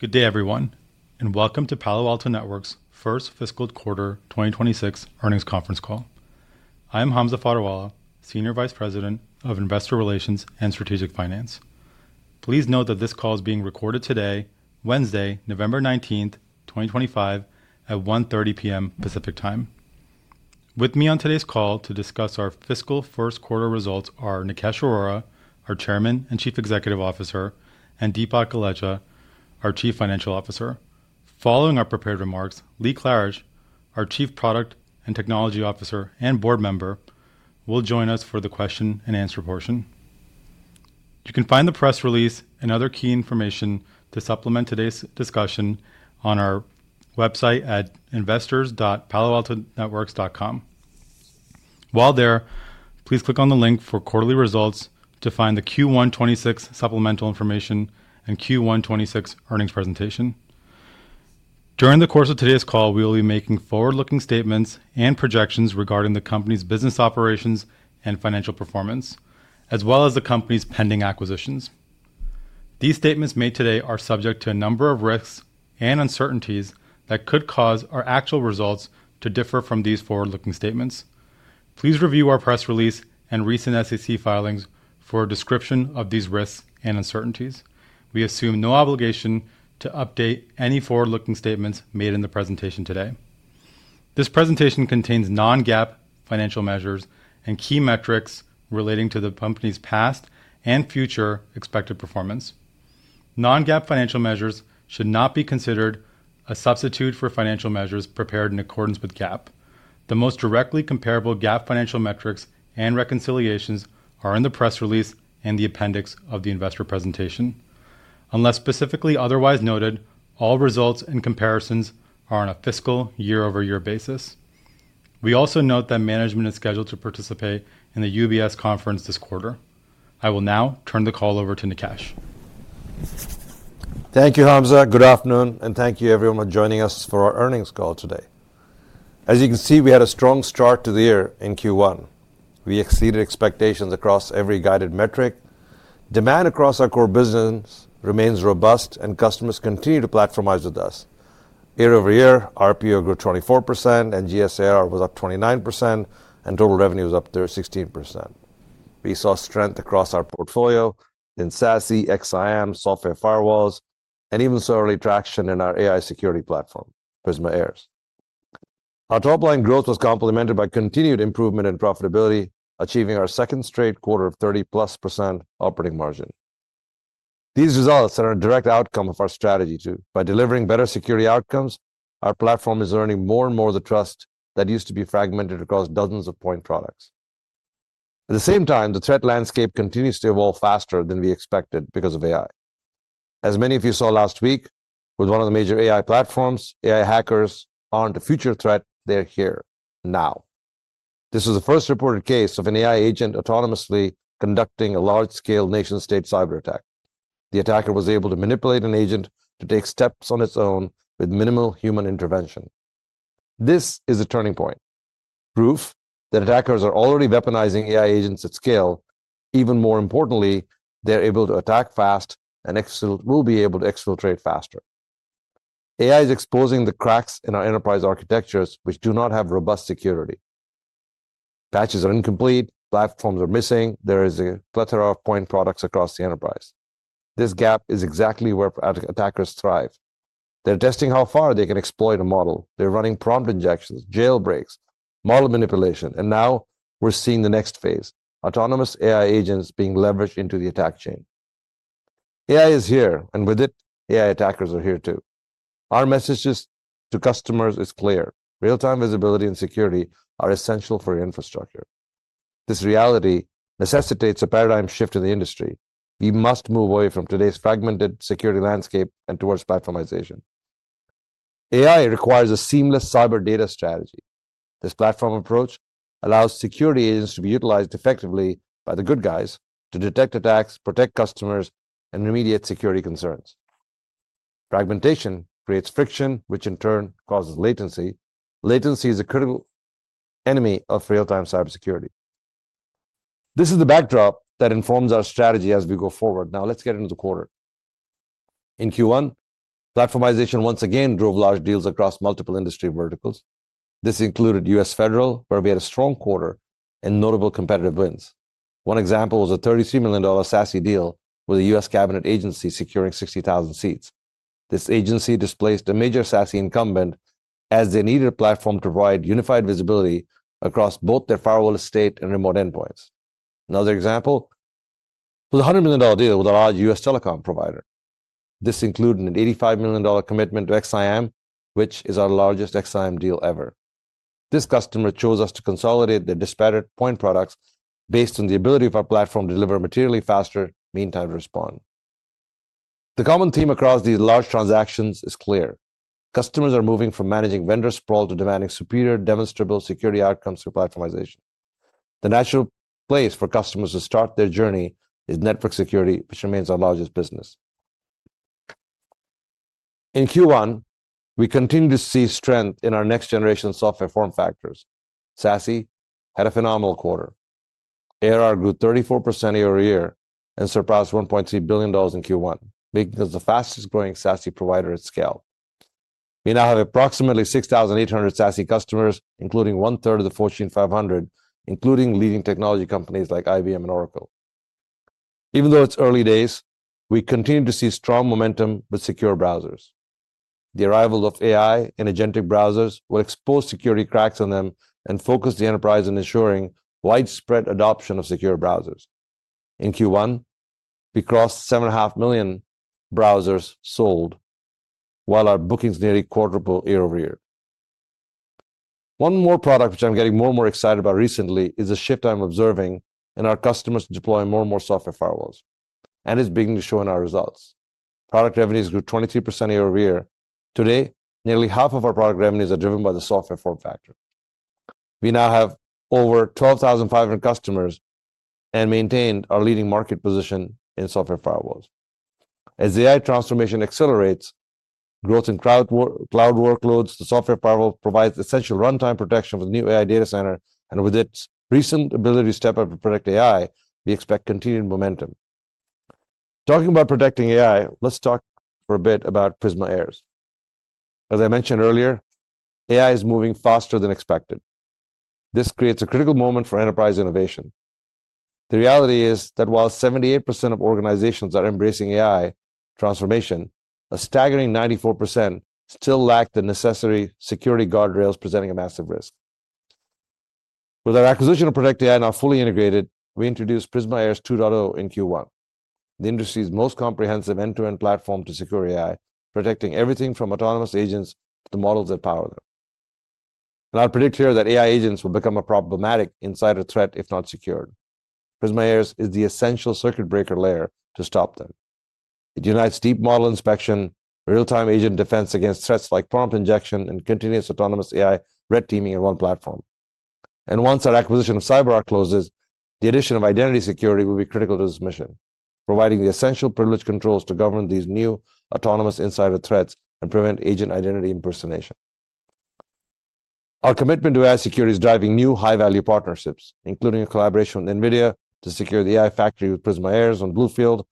Good day, everyone, and welcome to Palo Alto Networks' first Fiscal Quarter 2026 earnings conference call. I am Hamza Fodderwala, Senior Vice President of Investor Relations and Strategic Finance. Please note that this call is being recorded today, Wednesday, November 19, 2025, at 1:30 P.M. Pacific Time. With me on today's call to discuss our Fiscal First Quarter results are Nikesh Arora, our Chairman and Chief Executive Officer, and Dipak Golechha, our Chief Financial Officer. Following our prepared remarks, Lee Klarich, our Chief Product and Technology Officer and board member, will join us for the question-and-answer portion. You can find the press release and other key information to supplement today's discussion on our website at investors.paloaltonetworks.com. While there, please click on the link for quarterly results to find the Q126 supplemental information and Q126 earnings presentation. During the course of today's call, we will be making forward-looking statements and projections regarding the company's business operations and financial performance, as well as the company's pending acquisitions. These statements made today are subject to a number of risks and uncertainties that could cause our actual results to differ from these forward-looking statements. Please review our press release and recent SEC filings for a description of these risks and uncertainties. We assume no obligation to update any forward-looking statements made in the presentation today. This presentation contains non-GAAP financial measures and key metrics relating to the company's past and future expected performance. Non-GAAP financial measures should not be considered a substitute for financial measures prepared in accordance with GAAP. The most directly comparable GAAP financial metrics and reconciliations are in the press release and the appendix of the investor presentation. Unless specifically otherwise noted, all results and comparisons are on a fiscal year-over-year basis. We also note that management is scheduled to participate in the UBS conference this quarter. I will now turn the call over to Nikesh. Thank you, Hamza. Good afternoon, and thank you, everyone, for joining us for our earnings call today. As you can see, we had a strong start to the year in Q1. We exceeded expectations across every guided metric. Demand across our core business remains robust, and customers continue to platformize with us. Year over year, our RPO grew 24%, and NGS ARR was up 29%, and total revenue was up 16%. We saw strength across our portfolio in SASE, XIM, software firewalls, and even saw early traction in our AI security platform, Prisma AIRS. Our top-line growth was complemented by continued improvement in profitability, achieving our second straight quarter of 30-plus % operating margin. These results are a direct outcome of our strategy too. By delivering better security outcomes, our platform is earning more and more of the trust that used to be fragmented across dozens of point products. At the same time, the threat landscape continues to evolve faster than we expected because of AI. As many of you saw last week, with one of the major AI platforms, AI hackers aren't a future threat; they're here now. This was the first reported case of an AI agent autonomously conducting a large-scale nation-state cyber attack. The attacker was able to manipulate an agent to take steps on its own with minimal human intervention. This is a turning point, proof that attackers are already weaponizing AI agents at scale. Even more importantly, they're able to attack fast, and exfiltrate will be able to exfiltrate faster. AI is exposing the cracks in our enterprise architectures, which do not have robust security. Patches are incomplete, platforms are missing, there is a plethora of point products across the enterprise. This gap is exactly where attackers thrive. They're testing how far they can exploit a model. They're running prompt injections, jailbreaks, model manipulation, and now we're seeing the next phase: autonomous AI agents being leveraged into the attack chain. AI is here, and with it, AI attackers are here too. Our message to customers is clear: real-time visibility and security are essential for your infrastructure. This reality necessitates a paradigm shift in the industry. We must move away from today's fragmented security landscape and towards platformization. AI requires a seamless cyber data strategy. This platform approach allows security agents to be utilized effectively by the good guys to detect attacks, protect customers, and remediate security concerns. Fragmentation creates friction, which in turn causes latency. Latency is a critical enemy of real-time cybersecurity. This is the backdrop that informs our strategy as we go forward. Now, let's get into the quarter. In Q1, platformization once again drove large deals across multiple industry verticals. This included U.S. Federal, where we had a strong quarter and notable competitive wins. One example was a $33 million SASE deal with a U.S. cabinet agency securing 60,000 seats. This agency displaced a major SASE incumbent as they needed a platform to provide unified visibility across both their firewall estate and remote endpoints. Another example was a $100 million deal with a large U.S. telecom provider. This included an $85 million commitment to XIM, which is our largest XIM deal ever. This customer chose us to consolidate their disparate point products based on the ability of our platform to deliver materially faster meantime to respond. The common theme across these large transactions is clear. Customers are moving from managing vendor sprawl to demanding superior demonstrable security outcomes through platformization. The natural place for customers to start their journey is network security, which remains our largest business. In Q1, we continue to see strength in our next-generation software form factors. SASE had a phenomenal quarter. ARR grew 34% year over year and surpassed $1.3 billion in Q1, making us the fastest-growing SASE provider at scale. We now have approximately 6,800 SASE customers, including one-third of the Fortune 500, including leading technology companies like IBM and Oracle. Even though it's early days, we continue to see strong momentum with secure browsers. The arrival of AI and agentic browsers will expose security cracks in them and focus the enterprise on ensuring widespread adoption of secure browsers. In Q1, we crossed 7.5 million browsers sold, while our bookings nearly quadrupled year over year. One more product which I'm getting more and more excited about recently is a shift I'm observing in our customers deploying more and more software firewalls, and it's beginning to show in our results. Product revenues grew 23% year over year. Today, nearly half of our product revenues are driven by the software form factor. We now have over 12,500 customers and maintain our leading market position in software firewalls. As AI transformation accelerates, growth in cloud workloads, the software firewall provides essential runtime protection with a new AI data center, and with its recent ability to step up and protect AI, we expect continued momentum. Talking about protecting AI, let's talk for a bit about Prisma AIRS. As I mentioned earlier, AI is moving faster than expected. This creates a critical moment for enterprise innovation. The reality is that while 78% of organizations are embracing AI transformation, a staggering 94% still lack the necessary security guardrails, presenting a massive risk. With our acquisition of Protect AI now fully integrated, we introduced Prisma AIRS 2.0 in Q1, the industry's most comprehensive end-to-end platform to secure AI, protecting everything from autonomous agents to the models that power them. I predict here that AI agents will become a problematic insider threat if not secured. Prisma AIRS is the essential circuit breaker layer to stop them. It unites deep model inspection, real-time agent defense against threats like prompt injection, and continuous autonomous AI red teaming in one platform. Once our acquisition of CyberArk closes, the addition of identity security will be critical to this mission, providing the essential privilege controls to govern these new autonomous insider threats and prevent agent identity impersonation. Our commitment to AI security is driving new high-value partnerships, including a collaboration with NVIDIA to secure the AI factory with Prisma AIRS on BlueField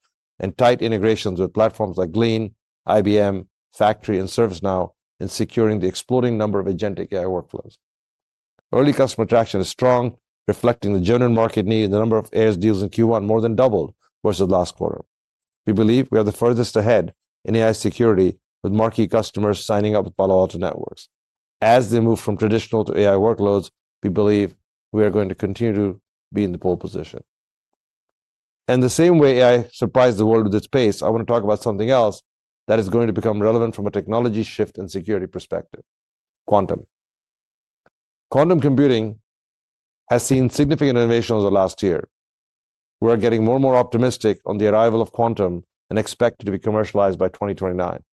and tight integrations with platforms like Glean, IBM, Factory, and ServiceNow in securing the exploding number of agentic AI workflows. Early customer traction is strong, reflecting the general market need and the number of AIRS deals in Q1 more than doubled versus last quarter. We believe we are the furthest ahead in AI security with marquee customers signing up with Palo Alto Networks. As they move from traditional to AI workloads, we believe we are going to continue to be in the pole position. In the same way AI surprised the world with its pace, I want to talk about something else that is going to become relevant from a technology shift and security perspective: quantum. Quantum computing has seen significant innovation over the last year. We're getting more and more optimistic on the arrival of quantum and expect it to be commercialized by 2029.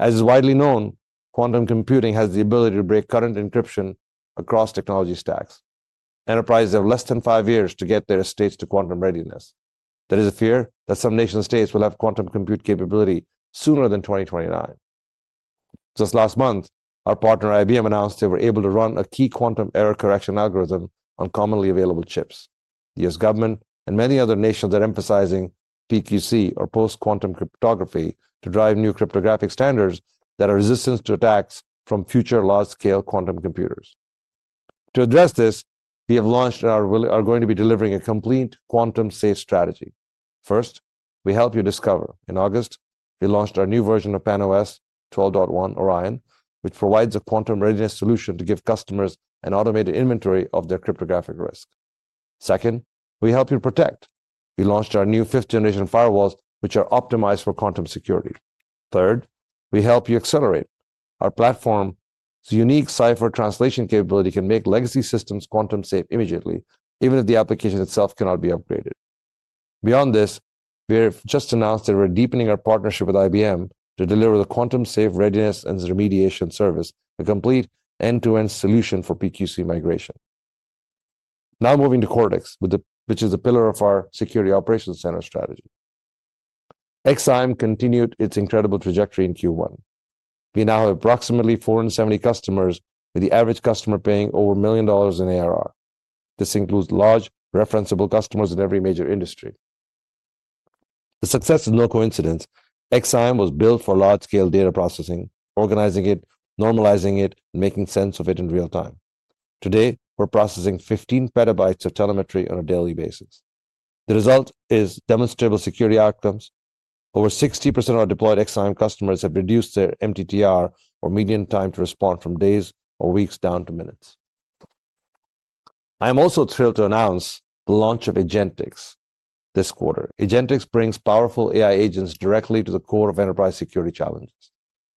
As is widely known, quantum computing has the ability to break current encryption across technology stacks. Enterprises have less than five years to get their estates to quantum readiness. There is a fear that some nation-states will have quantum compute capability sooner than 2029. Just last month, our partner IBM announced they were able to run a key quantum error correction algorithm on commonly available chips. The U.S. government and many other nations are emphasizing PQC, or post-quantum cryptography, to drive new cryptographic standards that are resistant to attacks from future large-scale quantum computers. To address this, we have launched and are going to be delivering a complete quantum-safe strategy. First, we help you discover. In August, we launched our new version of PanOS 12.1 Orion, which provides a quantum readiness solution to give customers an automated inventory of their cryptographic risk. Second, we help you protect. We launched our new fifth-generation firewalls, which are optimized for quantum security. Third, we help you accelerate. Our platform's unique cipher translation capability can make legacy systems quantum-safe immediately, even if the application itself cannot be upgraded. Beyond this, we have just announced that we're deepening our partnership with IBM to deliver the quantum-safe readiness and remediation service, a complete end-to-end solution for PQC migration. Now moving to Cortex, which is a pillar of our security operations center strategy. XIM continued its incredible trajectory in Q1. We now have approximately 470 customers, with the average customer paying over a million dollars in ARR. This includes large, referenceable customers in every major industry. The success is no coincidence. XIM was built for large-scale data processing, organizing it, normalizing it, and making sense of it in real time. Today, we're processing 15 petabytes of telemetry on a daily basis. The result is demonstrable security outcomes. Over 60% of our deployed XIM customers have reduced their MTTR, or median time to respond, from days or weeks down to minutes. I am also thrilled to announce the launch of Agentix this quarter. Agentix brings powerful AI agents directly to the core of enterprise security challenges.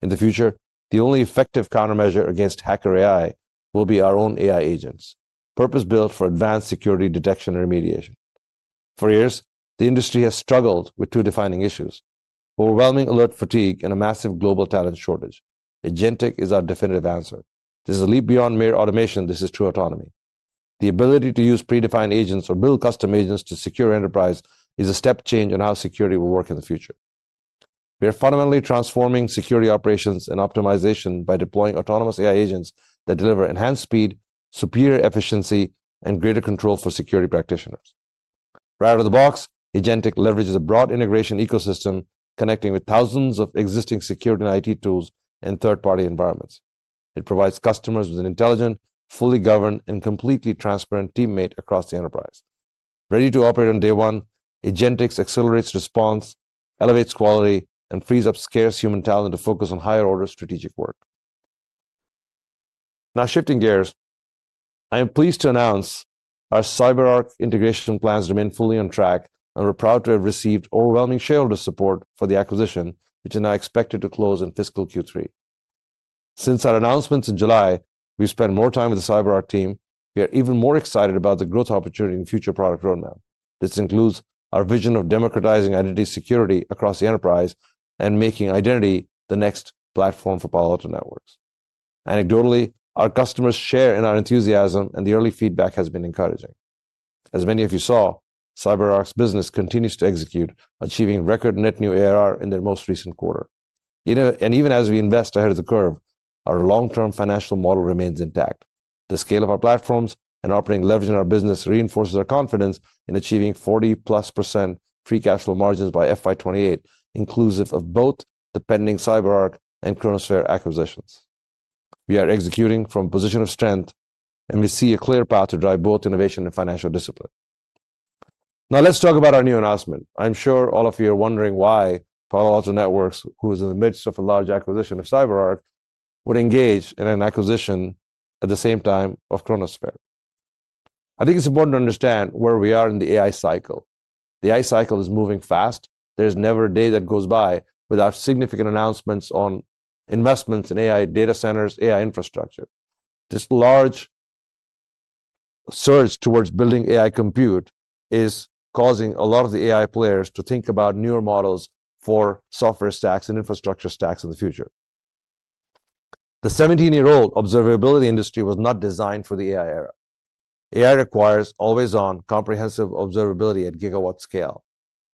In the future, the only effective countermeasure against hacker AI will be our own AI agents, purpose-built for advanced security detection and remediation. For years, the industry has struggled with two defining issues: overwhelming alert fatigue and a massive global talent shortage. Agentix is our definitive answer. This is a leap beyond mere automation; this is true autonomy. The ability to use predefined agents or build custom agents to secure enterprise is a step change in how security will work in the future. We are fundamentally transforming security operations and optimization by deploying autonomous AI agents that deliver enhanced speed, superior efficiency, and greater control for security practitioners. Right out of the box, Agentix leverages a broad integration ecosystem, connecting with thousands of existing security and IT tools and third-party environments. It provides customers with an intelligent, fully governed, and completely transparent teammate across the enterprise. Ready to operate on day one, Agentix accelerates response, elevates quality, and frees up scarce human talent to focus on higher-order strategic work. Now, shifting gears, I am pleased to announce our CyberArk integration plans remain fully on track, and we're proud to have received overwhelming shareholder support for the acquisition, which is now expected to close in fiscal Q3. Since our announcements in July, we've spent more time with the CyberArk team. We are even more excited about the growth opportunity in future product roadmap. This includes our vision of democratizing identity security across the enterprise and making identity the next platform for Palo Alto Networks. Anecdotally, our customers share in our enthusiasm, and the early feedback has been encouraging. As many of you saw, CyberArk's business continues to execute, achieving record net new ARR in their most recent quarter. Even as we invest ahead of the curve, our long-term financial model remains intact. The scale of our platforms and operating leverage in our business reinforces our confidence in achieving 40+% free cash flow margins by FY2028, inclusive of both the pending CyberArk and Kronosphere acquisitions. We are executing from a position of strength, and we see a clear path to drive both innovation and financial discipline. Now, let's talk about our new announcement. I'm sure all of you are wondering why Palo Alto Networks, who is in the midst of a large acquisition of CyberArk, would engage in an acquisition at the same time of Kronosphere. I think it's important to understand where we are in the AI cycle. The AI cycle is moving fast. There is never a day that goes by without significant announcements on investments in AI data centers, AI infrastructure. This large surge towards building AI compute is causing a lot of the AI players to think about newer models for software stacks and infrastructure stacks in the future. The 17-year-old observability industry was not designed for the AI era. AI requires always-on comprehensive observability at gigawatt scale.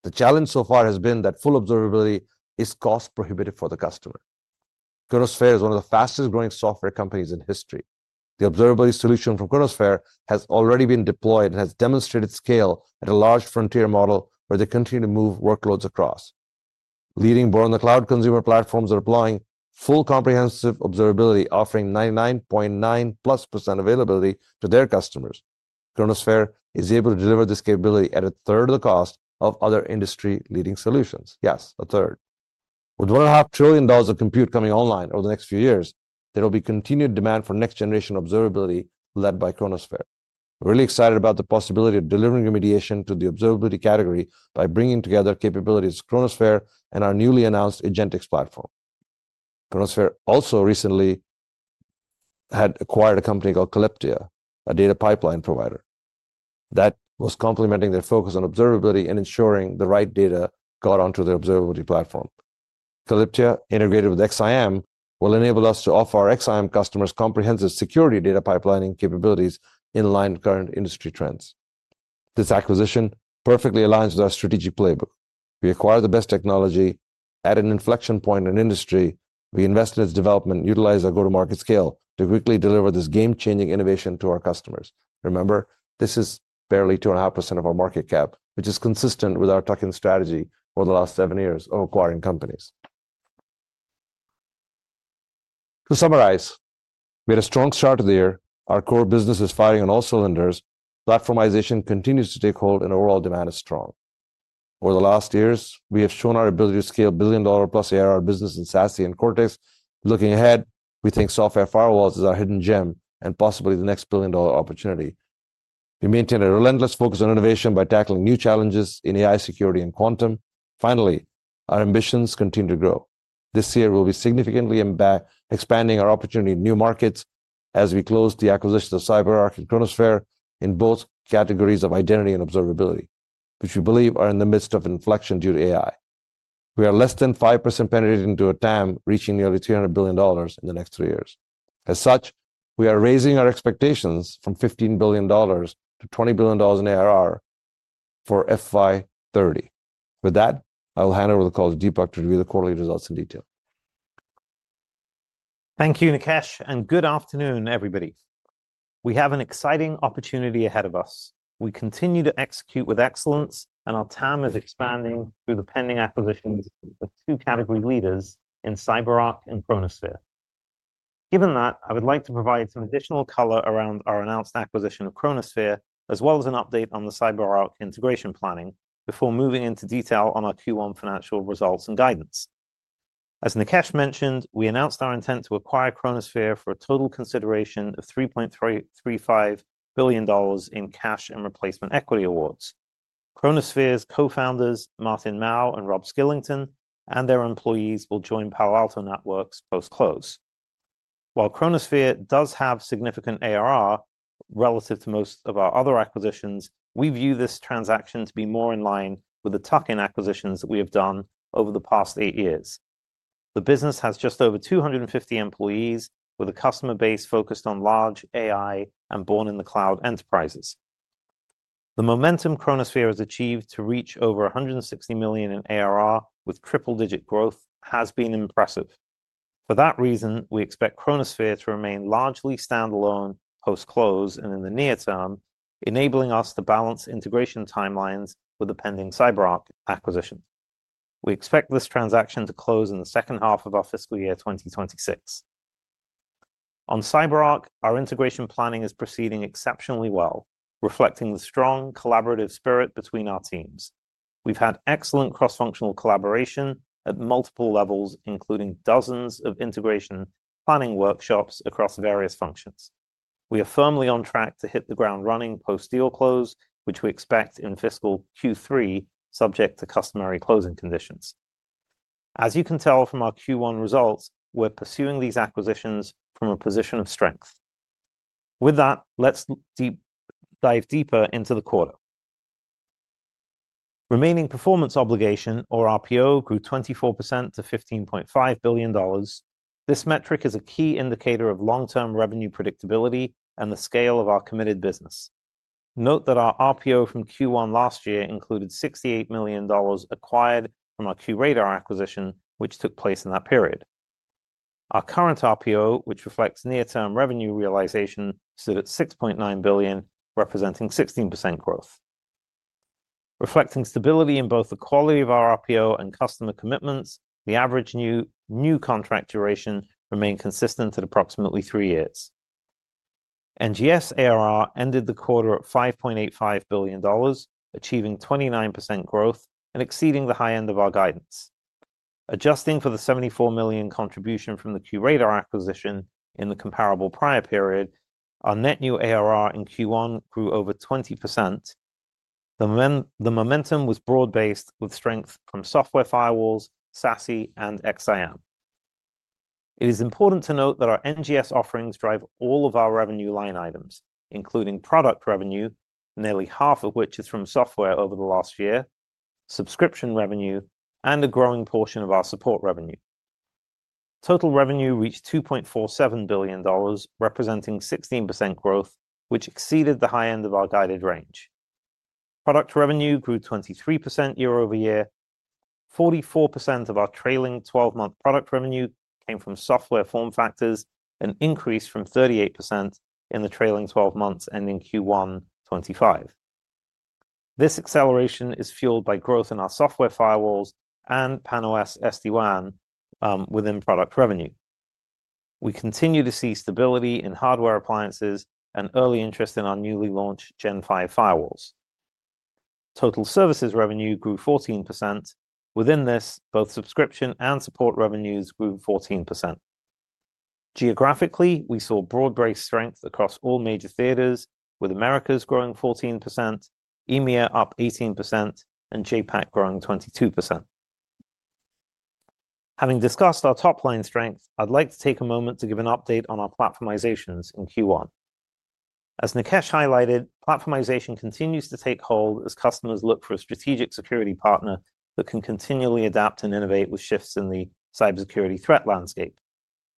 The challenge so far has been that full observability is cost-prohibitive for the customer. Kronosphere is one of the fastest-growing software companies in history. The observability solution from Kronosphere has already been deployed and has demonstrated scale at a large frontier model where they continue to move workloads across. Leading born-in-the-cloud consumer platforms are deploying full comprehensive observability, offering 99.9+% availability to their customers. Kronosphere is able to deliver this capability at a third of the cost of other industry-leading solutions. Yes, a third. With $1.5 trillion of compute coming online over the next few years, there will be continued demand for next-generation observability led by Kronosphere. We're really excited about the possibility of delivering remediation to the observability category by bringing together capabilities of Kronosphere and our newly announced Agentix platform. Kronosphere also recently had acquired a company called Calyptea, a data pipeline provider. That was complementing their focus on observability and ensuring the right data got onto their observability platform. Calyptea, integrated with XIM, will enable us to offer our XIM customers comprehensive security data pipelining capabilities in line with current industry trends. This acquisition perfectly aligns with our strategic playbook. We acquired the best technology at an inflection point in an industry. We invested in its development, utilized our go-to-market scale to quickly deliver this game-changing innovation to our customers. Remember, this is barely 2.5% of our market cap, which is consistent with our tuck-in strategy over the last seven years of acquiring companies. To summarize, we had a strong start of the year. Our core business is firing on all cylinders. Platformization continues to take hold, and overall demand is strong. Over the last years, we have shown our ability to scale billion-dollar-plus ARR business in SASE and Cortex. Looking ahead, we think software firewalls are our hidden gem and possibly the next billion-dollar opportunity. We maintain a relentless focus on innovation by tackling new challenges in AI security and quantum. Finally, our ambitions continue to grow. This year, we will be significantly expanding our opportunity in new markets as we close the acquisitions of CyberArk and Kronosphere in both categories of identity and observability, which we believe are in the midst of inflection due to AI. We are less than 5% penetrating to a TAM reaching nearly $300 billion in the next three years. As such, we are raising our expectations from $15 billion to $20 billion in ARR for FY2030. With that, I will hand over the call to Dipak to review the quarterly results in detail. Thank you, Nikesh, and good afternoon, everybody. We have an exciting opportunity ahead of us. We continue to execute with excellence, and our TAM is expanding through the pending acquisitions of two category leaders in CyberArk and Kronosphere. Given that, I would like to provide some additional color around our announced acquisition of Kronosphere, as well as an update on the CyberArk integration planning, before moving into detail on our Q1 financial results and guidance. As Nikesh mentioned, we announced our intent to acquire Kronosphere for a total consideration of $3.35 billion in cash and replacement equity awards. Kronosphere's co-founders, Martin Mao and Rob Skillington, and their employees will join Palo Alto Networks post-close. While Kronosphere does have significant ARR relative to most of our other acquisitions, we view this transaction to be more in line with the tuck-in acquisitions that we have done over the past eight years. The business has just over 250 employees, with a customer base focused on large AI and born-in-the-cloud enterprises. The momentum Kronosphere has achieved to reach over $160 million in ARR with triple-digit growth has been impressive. For that reason, we expect Kronosphere to remain largely standalone post-close and in the near term, enabling us to balance integration timelines with the pending CyberArk acquisition. We expect this transaction to close in the second half of our fiscal year 2026. On CyberArk, our integration planning is proceeding exceptionally well, reflecting the strong collaborative spirit between our teams. We've had excellent cross-functional collaboration at multiple levels, including dozens of integration planning workshops across various functions. We are firmly on track to hit the ground running post-deal close, which we expect in fiscal Q3, subject to customary closing conditions. As you can tell from our Q1 results, we're pursuing these acquisitions from a position of strength. With that, let's dive deeper into the quarter. Remaining performance obligation, or RPO, grew 24% to $15.5 billion. This metric is a key indicator of long-term revenue predictability and the scale of our committed business. Note that our RPO from Q1 last year included $68 million acquired from our QRadar acquisition, which took place in that period. Our current RPO, which reflects near-term revenue realization, stood at $6.9 billion, representing 16% growth. Reflecting stability in both the quality of our RPO and customer commitments, the average new contract duration remained consistent at approximately three years. NGS ARR ended the quarter at $5.85 billion, achieving 29% growth and exceeding the high end of our guidance. Adjusting for the $74 million contribution from the QRadar acquisition in the comparable prior period, our net new ARR in Q1 grew over 20%. The momentum was broad-based, with strength from software firewalls, SASE, and XIM. It is important to note that our NGS offerings drive all of our revenue line items, including product revenue, nearly half of which is from software over the last year, subscription revenue, and a growing portion of our support revenue. Total revenue reached $2.47 billion, representing 16% growth, which exceeded the high end of our guided range. Product revenue grew 23% year over year. 44% of our trailing 12-month product revenue came from software form factors, an increase from 38% in the trailing 12 months ending Q1 2025. This acceleration is fueled by growth in our software firewalls and PanOS SD-WAN within product revenue. We continue to see stability in hardware appliances and early interest in our newly launched Gen5 firewalls. Total services revenue grew 14%. Within this, both subscription and support revenues grew 14%. Geographically, we saw broad-based strength across all major theaters, with Americas growing 14%, EMEA up 18%, and JPAC growing 22%. Having discussed our top-line strength, I'd like to take a moment to give an update on our platformizations in Q1. As Nikesh highlighted, platformization continues to take hold as customers look for a strategic security partner that can continually adapt and innovate with shifts in the cybersecurity threat landscape.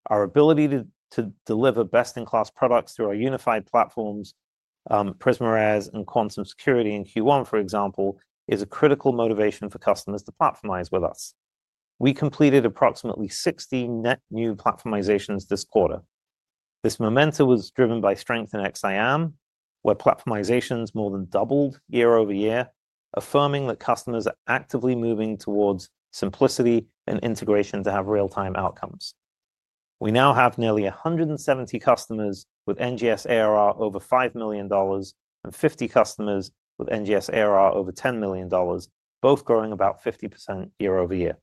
Our ability to deliver best-in-class products through our unified platforms, Prisma AIRS and Quantum Security in Q1, for example, is a critical motivation for customers to platformize with us. We completed approximately 60 net new platformizations this quarter. This momentum was driven by strength in XIM, where platformizations more than doubled year over year, affirming that customers are actively moving towards simplicity and integration to have real-time outcomes. We now have nearly 170 customers with NGS ARR over $5 million and 50 customers with NGS ARR over $10 million, both growing about 50% year over year.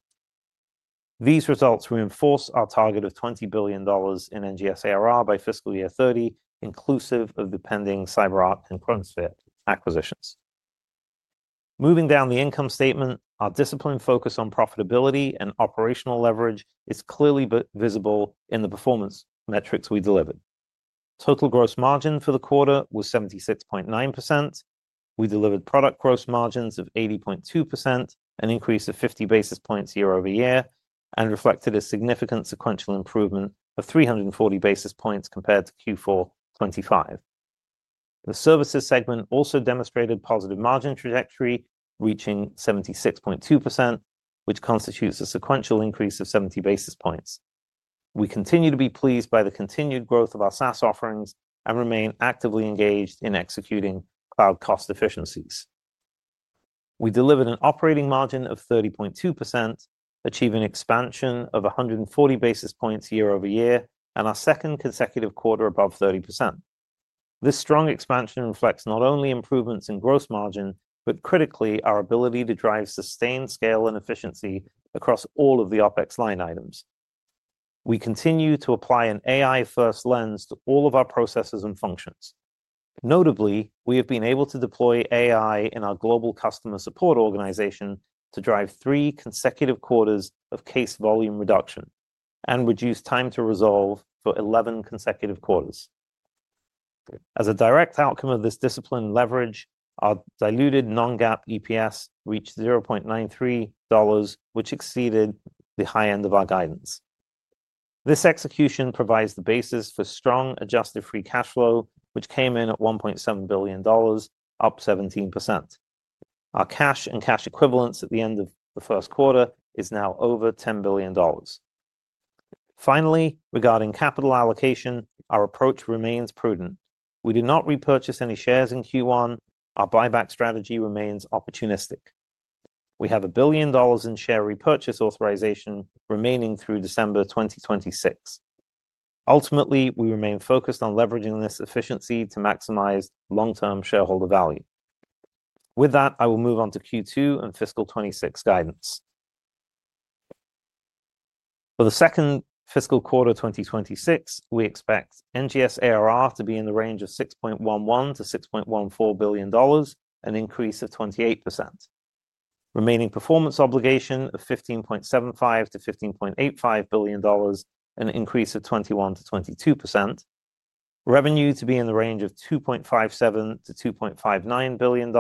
These results reinforce our target of $20 billion in NGS ARR by fiscal year 2030, inclusive of the pending CyberArk and Kronosphere acquisitions. Moving down the income statement, our discipline focus on profitability and operational leverage is clearly visible in the performance metrics we delivered. Total gross margin for the quarter was 76.9%. We delivered product gross margins of 80.2%, an increase of 50 basis points year over year, and reflected a significant sequential improvement of 340 basis points compared to Q4 2025. The services segment also demonstrated positive margin trajectory, reaching 76.2%, which constitutes a sequential increase of 70 basis points. We continue to be pleased by the continued growth of our SaaS offerings and remain actively engaged in executing cloud cost efficiencies. We delivered an operating margin of 30.2%, achieving expansion of 140 basis points year over year, and our second consecutive quarter above 30%. This strong expansion reflects not only improvements in gross margin, but critically our ability to drive sustained scale and efficiency across all of the OpEx line items. We continue to apply an AI-first lens to all of our processes and functions. Notably, we have been able to deploy AI in our global customer support organization to drive three consecutive quarters of case volume reduction and reduce time to resolve for 11 consecutive quarters. As a direct outcome of this discipline leverage, our diluted non-GAAP EPS reached $0.93, which exceeded the high end of our guidance. This execution provides the basis for strong adjusted free cash flow, which came in at $1.7 billion, up 17%. Our cash and cash equivalents at the end of the first quarter is now over $10 billion. Finally, regarding capital allocation, our approach remains prudent. We do not repurchase any shares in Q1. Our buyback strategy remains opportunistic. We have a billion dollars in share repurchase authorization remaining through December 2026. Ultimately, we remain focused on leveraging this efficiency to maximize long-term shareholder value. With that, I will move on to Q2 and fiscal 2026 guidance. For the second fiscal quarter 2026, we expect NGS ARR to be in the range of $6.11-$6.14 billion, an increase of 28%. Remaining performance obligation of $15.75-$15.85 billion, an increase of 21%-22%. Revenue to be in the range of $2.57-$2.59 billion,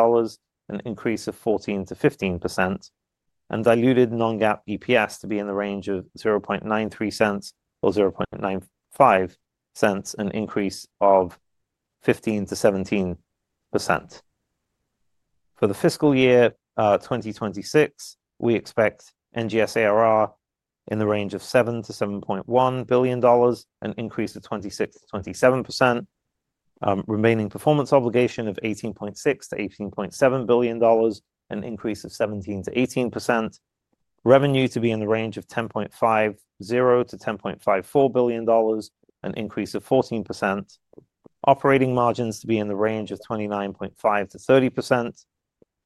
an increase of 14%-15%, and diluted non-GAAP EPS to be in the range of $0.93-$0.95, an increase of 15%-17%. For the fiscal year 2026, we expect NGS ARR in the range of $7-$7.1 billion, an increase of 26%-27%. Remaining performance obligation of $18.6-$18.7 billion, an increase of 17%-18%. Revenue to be in the range of $10.50-$10.54 billion, an increase of 14%. Operating margins to be in the range of 29.5%-30%.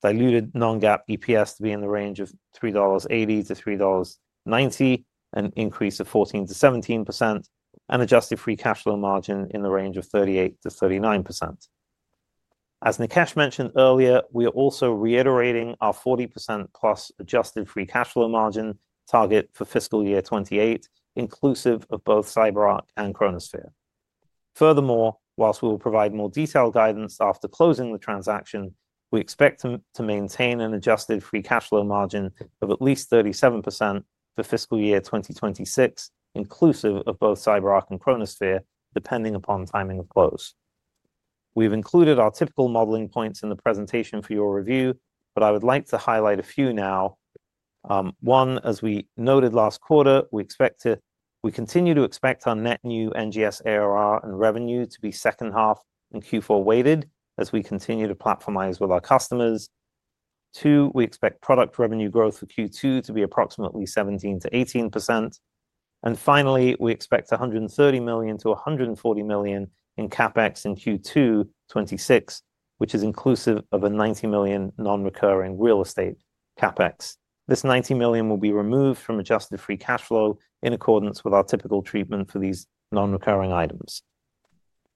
Diluted non-GAAP EPS to be in the range of $3.80-$3.90, an increase of 14%-17%, and adjusted free cash flow margin in the range of 38%-39%. As Nikesh mentioned earlier, we are also reiterating our 40%+ adjusted free cash flow margin target for fiscal year 2028, inclusive of both CyberArk and Kronosphere. Furthermore, whilst we will provide more detailed guidance after closing the transaction, we expect to maintain an adjusted free cash flow margin of at least 37% for fiscal year 2026, inclusive of both CyberArk and Kronosphere, depending upon timing of close. We've included our typical modeling points in the presentation for your review, but I would like to highlight a few now. One, as we noted last quarter, we continue to expect our net new NGS ARR and revenue to be second half and Q4 weighted as we continue to platformize with our customers. Two, we expect product revenue growth for Q2 to be approximately 17%-18%. Finally, we expect $130 million-$140 million in CapEx in Q2 2026, which is inclusive of a $90 million non-recurring real estate CapEx. This $90 million will be removed from adjusted free cash flow in accordance with our typical treatment for these non-recurring items.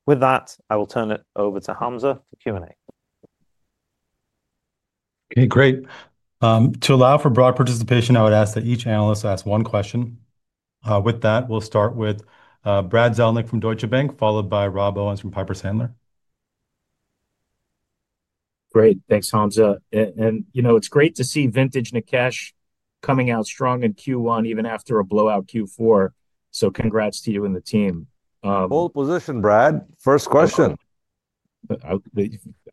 With that, I will turn it over to Hamza for Q&A. Okay, great. To allow for broad participation, I would ask that each analyst ask one question. With that, we will start with Brad Zelnik from Deutsche Bank, followed by Rob Owens from Piper Sandler. Great, thanks, Hamza. You know it is great to see vintage Nikesh coming out strong in Q1, even after a blowout Q4. Congrats to you and the team. Bold position, Brad. First question. I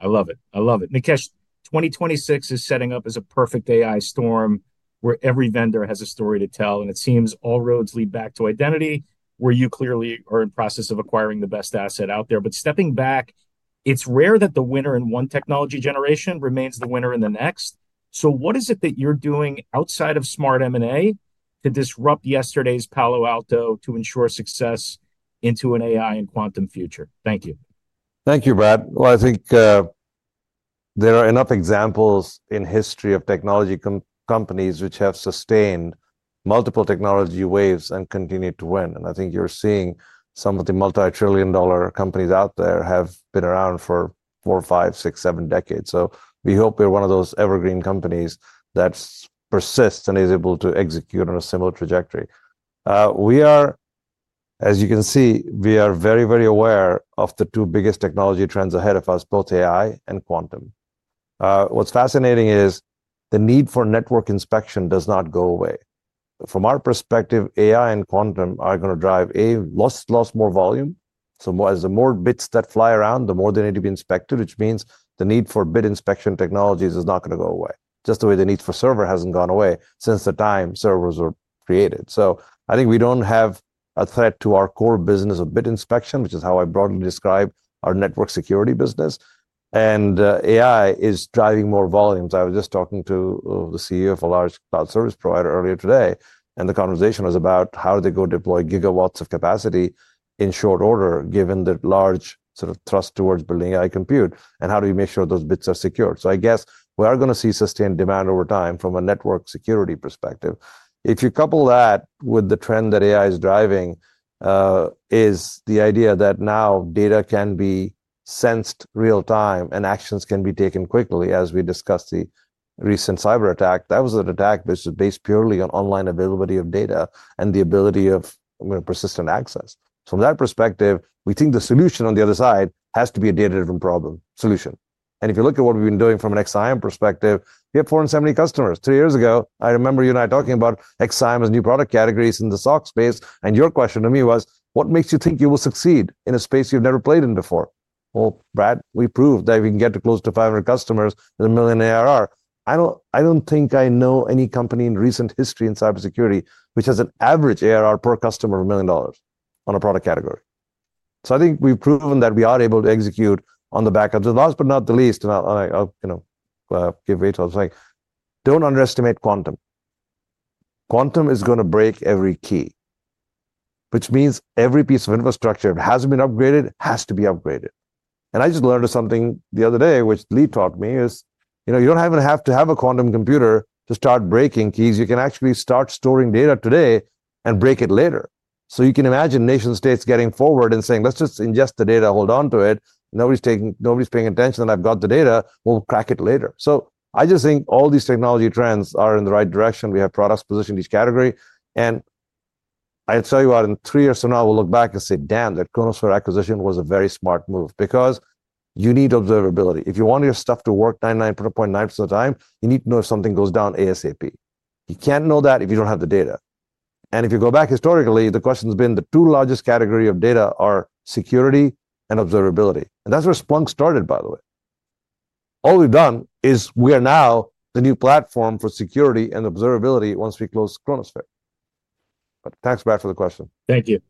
love it. I love it. Nikesh, 2026 is setting up as a perfect AI storm where every vendor has a story to tell. It seems all roads lead back to identity, where you clearly are in the process of acquiring the best asset out there. Stepping back, it's rare that the winner in one technology generation remains the winner in the next. What is it that you're doing outside of smart M&A to disrupt yesterday's Palo Alto to ensure success into an AI and quantum future? Thank you. Thank you, Brad. I think there are enough examples in history of technology companies which have sustained multiple technology waves and continued to win. I think you're seeing some of the multi-trillion dollar companies out there have been around for four, five, six, seven decades. We hope we're one of those evergreen companies that persists and is able to execute on a similar trajectory. We are, as you can see, we are very, very aware of the two biggest technology trends ahead of us, both AI and quantum. What's fascinating is the need for network inspection does not go away. From our perspective, AI and quantum are going to drive a lot more volume. As the more bits that fly around, the more they need to be inspected, which means the need for bit inspection technologies is not going to go away, just the way the need for servers hasn't gone away since the time servers were created. I think we don't have a threat to our core business of bit inspection, which is how I broadly describe our network security business. AI is driving more volumes. I was just talking to the CEO of a large cloud service provider earlier today, and the conversation was about how do they go deploy gigawatts of capacity in short order, given the large sort of thrust towards building AI compute, and how do we make sure those bits are secured. I guess we are going to see sustained demand over time from a network security perspective. If you couple that with the trend that AI is driving, is the idea that now data can be sensed real-time and actions can be taken quickly, as we discussed the recent cyber attack. That was an attack which was based purely on online availability of data and the ability of persistent access. From that perspective, we think the solution on the other side has to be a data-driven problem solution. If you look at what we've been doing from an XIM perspective, we have 470 customers. Three years ago, I remember you and I talking about XIM as new product categories in the SOC space. Your question to me was, what makes you think you will succeed in a space you've never played in before? Brad, we proved that we can get close to 500 customers with a million ARR. I don't think I know any company in recent history in cybersecurity which has an average ARR per customer of a million dollars on a product category. I think we've proven that we are able to execute on the backend. Last but not the least, and I'll give way to others saying, don't underestimate quantum. Quantum is going to break every key, which means every piece of infrastructure that hasn't been upgraded has to be upgraded. I just learned something the other day, which Lee taught me, is you do not even have to have a quantum computer to start breaking keys. You can actually start storing data today and break it later. You can imagine nation-states getting forward and saying, let's just ingest the data, hold on to it. Nobody's paying attention that I've got the data. We'll crack it later. I just think all these technology trends are in the right direction. We have products positioned in each category. I'll tell you what, in three years from now, we'll look back and say, damn, that Kronosphere acquisition was a very smart move because you need observability. If you want your stuff to work 99.9% of the time, you need to know if something goes down ASAP. You cannot know that if you do not have the data. If you go back historically, the question has been the two largest categories of data are security and observability. That is where Splunk started, by the way. All we have done is we are now the new platform for security and observability once we close Kronosphere. Thanks, Brad, for the question. Thank you.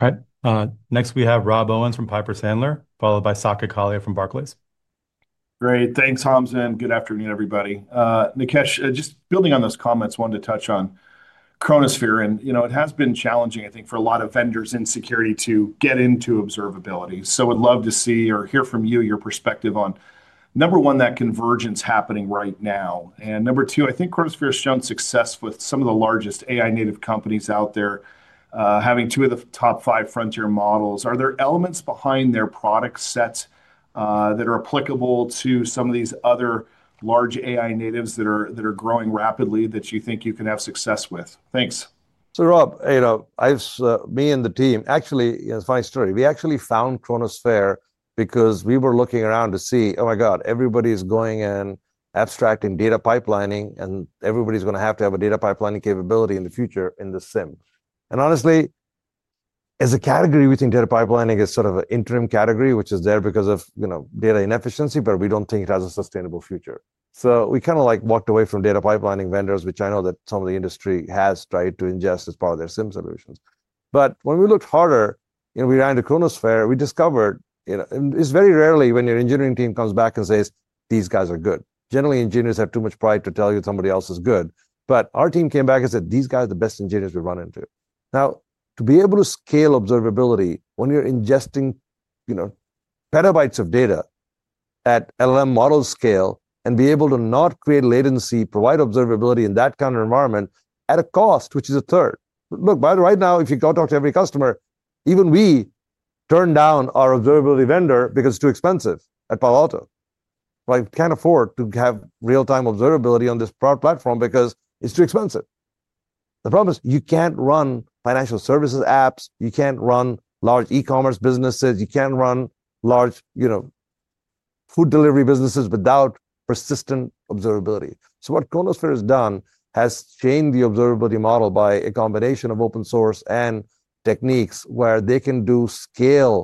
All right. Next, we have Rob Owens from Piper Sandler, followed by Saket Kalia from Barclays. Great. Thanks, Hamza. Good afternoon, everybody. Nikesh, just building on those comments, wanted to touch on Kronosphere. You know it has been challenging, I think, for a lot of vendors in security to get into observability. I would love to see or hear from you your perspective on, number one, that convergence happening right now. Number two, I think Kronosphere has shown success with some of the largest AI-native companies out there having two of the top five frontier models. Are there elements behind their product sets that are applicable to some of these other large AI natives that are growing rapidly that you think you can have success with? Thanks. Rob, you know me and the team, actually, it's a funny story. We actually found Kronosphere because we were looking around to see, oh my God, everybody's going and abstracting data pipelining, and everybody's going to have to have a data pipelining capability in the future in the SIM. Honestly, as a category, we think data pipelining is sort of an interim category, which is there because of data inefficiency, but we do not think it has a sustainable future. We kind of like walked away from data pipelining vendors, which I know that some of the industry has tried to ingest as part of their SIM solutions. When we looked harder, you know we ran to Kronosphere, we discovered, you know it's very rarely when your engineering team comes back and says, these guys are good. Generally, engineers have too much pride to tell you somebody else is good. Our team came back and said, these guys are the best engineers we've run into. Now, to be able to scale observability when you're ingesting, you know, petabytes of data at LLM model scale and be able to not create latency, provide observability in that kind of environment at a cost, which is a third. Look, by the right now, if you go talk to every customer, even we turn down our observability vendor because it's too expensive at Palo Alto. We can't afford to have real-time observability on this product platform because it's too expensive. The problem is you can't run financial services apps. You can't run large e-commerce businesses. You can't run large, you know, food delivery businesses without persistent observability. What Kronosphere has done has changed the observability model by a combination of open source and techniques where they can do scale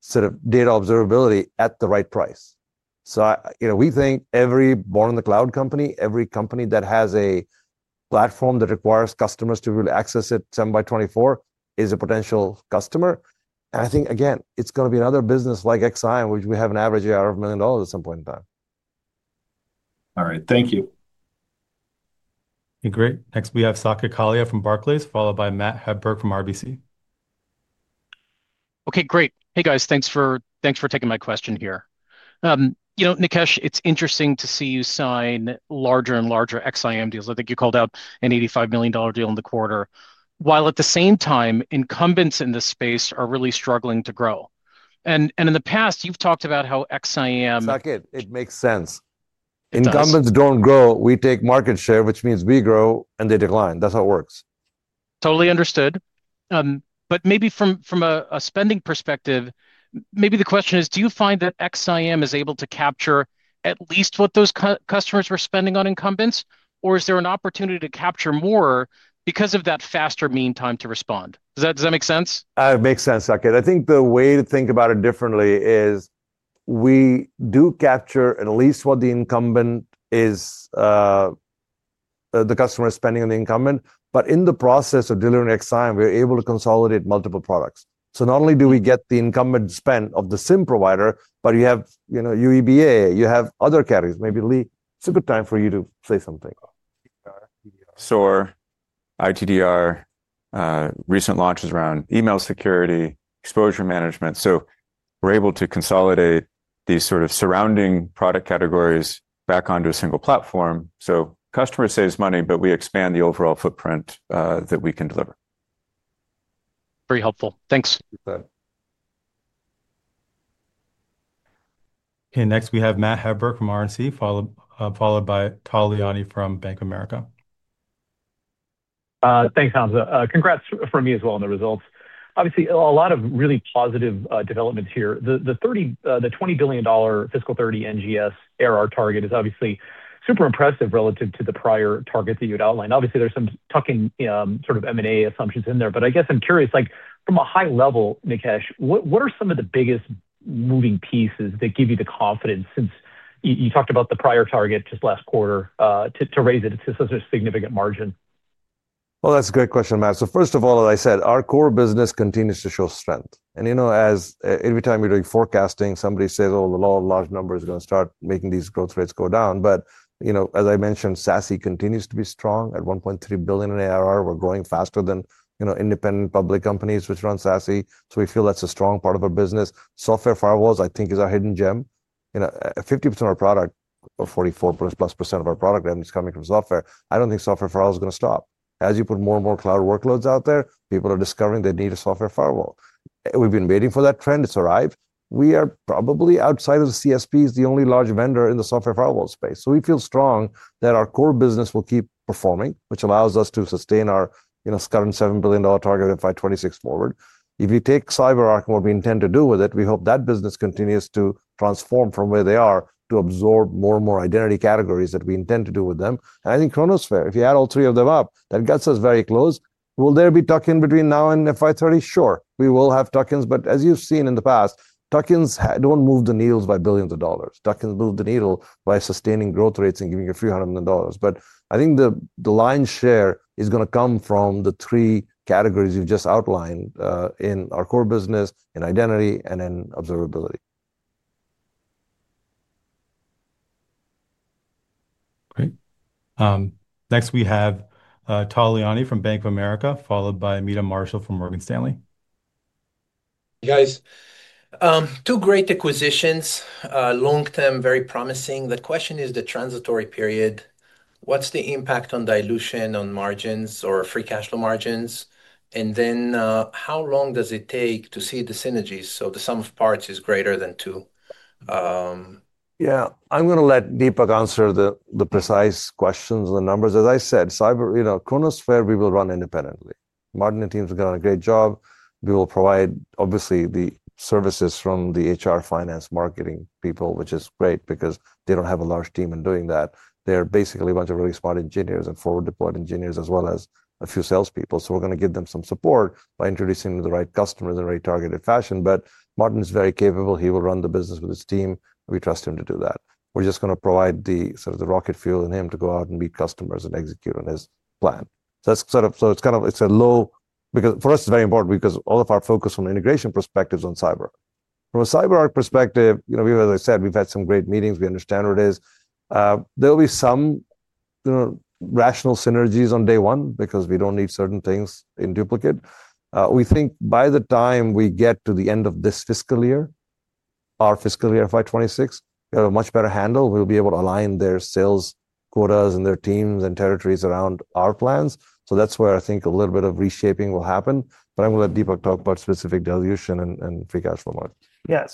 sort of data observability at the right price. You know, we think every born-in-the-cloud company, every company that has a platform that requires customers to really access it 7 by 24 is a potential customer. I think, again, it's going to be another business like XIM, which we have an average ARR of $1 million at some point in time. All right, thank you. Okay, great. Next, we have Saket Kalia from Barclays, followed by Matt Hedberg from RBC. Okay, great. Hey, guys, thanks for taking my question here. You know, Nikesh, it's interesting to see you sign larger and larger XIM deals. I think you called out an $85 million deal in the quarter, while at the same time, incumbents in this space are really struggling to grow. In the past, you've talked about how XIM— It's not good. It makes sense. Incumbents don't grow. We take market share, which means we grow and they decline. That's how it works. Totally understood. Maybe from a spending perspective, maybe the question is, do you find that XIM is able to capture at least what those customers were spending on incumbents, or is there an opportunity to capture more because of that faster mean time to respond? Does that make sense? It makes sense, Saket. I think the way to think about it differently is we do capture at least what the customer is spending on the incumbent. In the process of delivering XIM, we're able to consolidate multiple products. Not only do we get the incumbent spend of the SIEM provider, but you have UEBA, you have other categories. Maybe, Lee, it's a good time for you to say something. SOAR, ITDR, recent launches around email security, exposure management. We're able to consolidate these sort of surrounding product categories back onto a single platform. Customer saves money, but we expand the overall footprint that we can deliver. Very helpful. Thanks. Okay, next we have Matt Hedberg from RBC, followed by Paul Leoni from Bank of America. Thanks, Hamza. Congrats for me as well on the results. Obviously, a lot of really positive developments here. The $20 billion fiscal 2030 NGS ARR target is obviously super impressive relative to the prior target that you had outlined. Obviously, there's some tucking sort of M&A assumptions in there. I guess I'm curious, like from a high level, Nikesh, what are some of the biggest moving pieces that give you the confidence since you talked about the prior target just last quarter to raise it to such a significant margin? That's a great question, Matt. First of all, as I said, our core business continues to show strength. You know every time you're doing forecasting, somebody says, oh, the large number is going to start making these growth rates go down. As I mentioned, SASE continues to be strong at $1.3 billion in ARR. We're growing faster than independent public companies which run SASE. We feel that's a strong part of our business. Software firewalls, I think, is our hidden gem. You know 50% of our product, or 44% plus of our product revenue is coming from software. I don't think software firewalls are going to stop. As you put more and more cloud workloads out there, people are discovering they need a software firewall. We've been waiting for that trend. It's arrived. We are probably, outside of the CSPs, the only large vendor in the software firewall space. We feel strong that our core business will keep performing, which allows us to sustain our current $7 billion target in FY2026 forward. If you take CyberArk and what we intend to do with it, we hope that business continues to transform from where they are to absorb more and more identity categories that we intend to do with them. I think Kronosphere, if you add all three of them up, that gets us very close. Will there be tuck-in between now and FY2030? Sure, we will have tuck-ins. As you've seen in the past, tuck-ins do not move the needles by billions of dollars. Tuck-ins move the needle by sustaining growth rates and giving you a few hundred million dollars. I think the lion's share is going to come from the three categories you have just outlined in our core business, in identity, and in observability. Great. Next, we have Paul Leoni from Bank of America, followed by Meta Marshall from Morgan Stanley. Hey, guys. Two great acquisitions, long-term, very promising. The question is the transitory period. What's the impact on dilution, on margins, or free cash flow margins? How long does it take to see the synergies? The sum of parts is greater than two. Yeah, I'm going to let Dipak answer the precise questions and the numbers. As I said, Kronosphere, we will run independently. Martin and team have done a great job. We will provide, obviously, the services from the HR finance marketing people, which is great because they do not have a large team in doing that. They are basically a bunch of really smart engineers and forward-deployed engineers, as well as a few salespeople. We're going to give them some support by introducing them to the right customers in a very targeted fashion. Martin is very capable. He will run the business with his team. We trust him to do that. We're just going to provide the sort of rocket fuel in him to go out and meet customers and execute on his plan. It's kind of, it's a low, because for us, it's very important because all of our focus from the integration perspective is on cyber. From a CyberArk perspective, you know, as I said, we've had some great meetings. We understand what it is. There will be some, you know, rational synergies on day one because we don't need certain things in duplicate. We think by the time we get to the end of this fiscal year, our fiscal year, FY26, we have a much better handle. We'll be able to align their sales quotas and their teams and territories around our plans. That is where I think a little bit of reshaping will happen. I'm going to let Dipak talk about specific dilution and free cash flow margin. Yeah,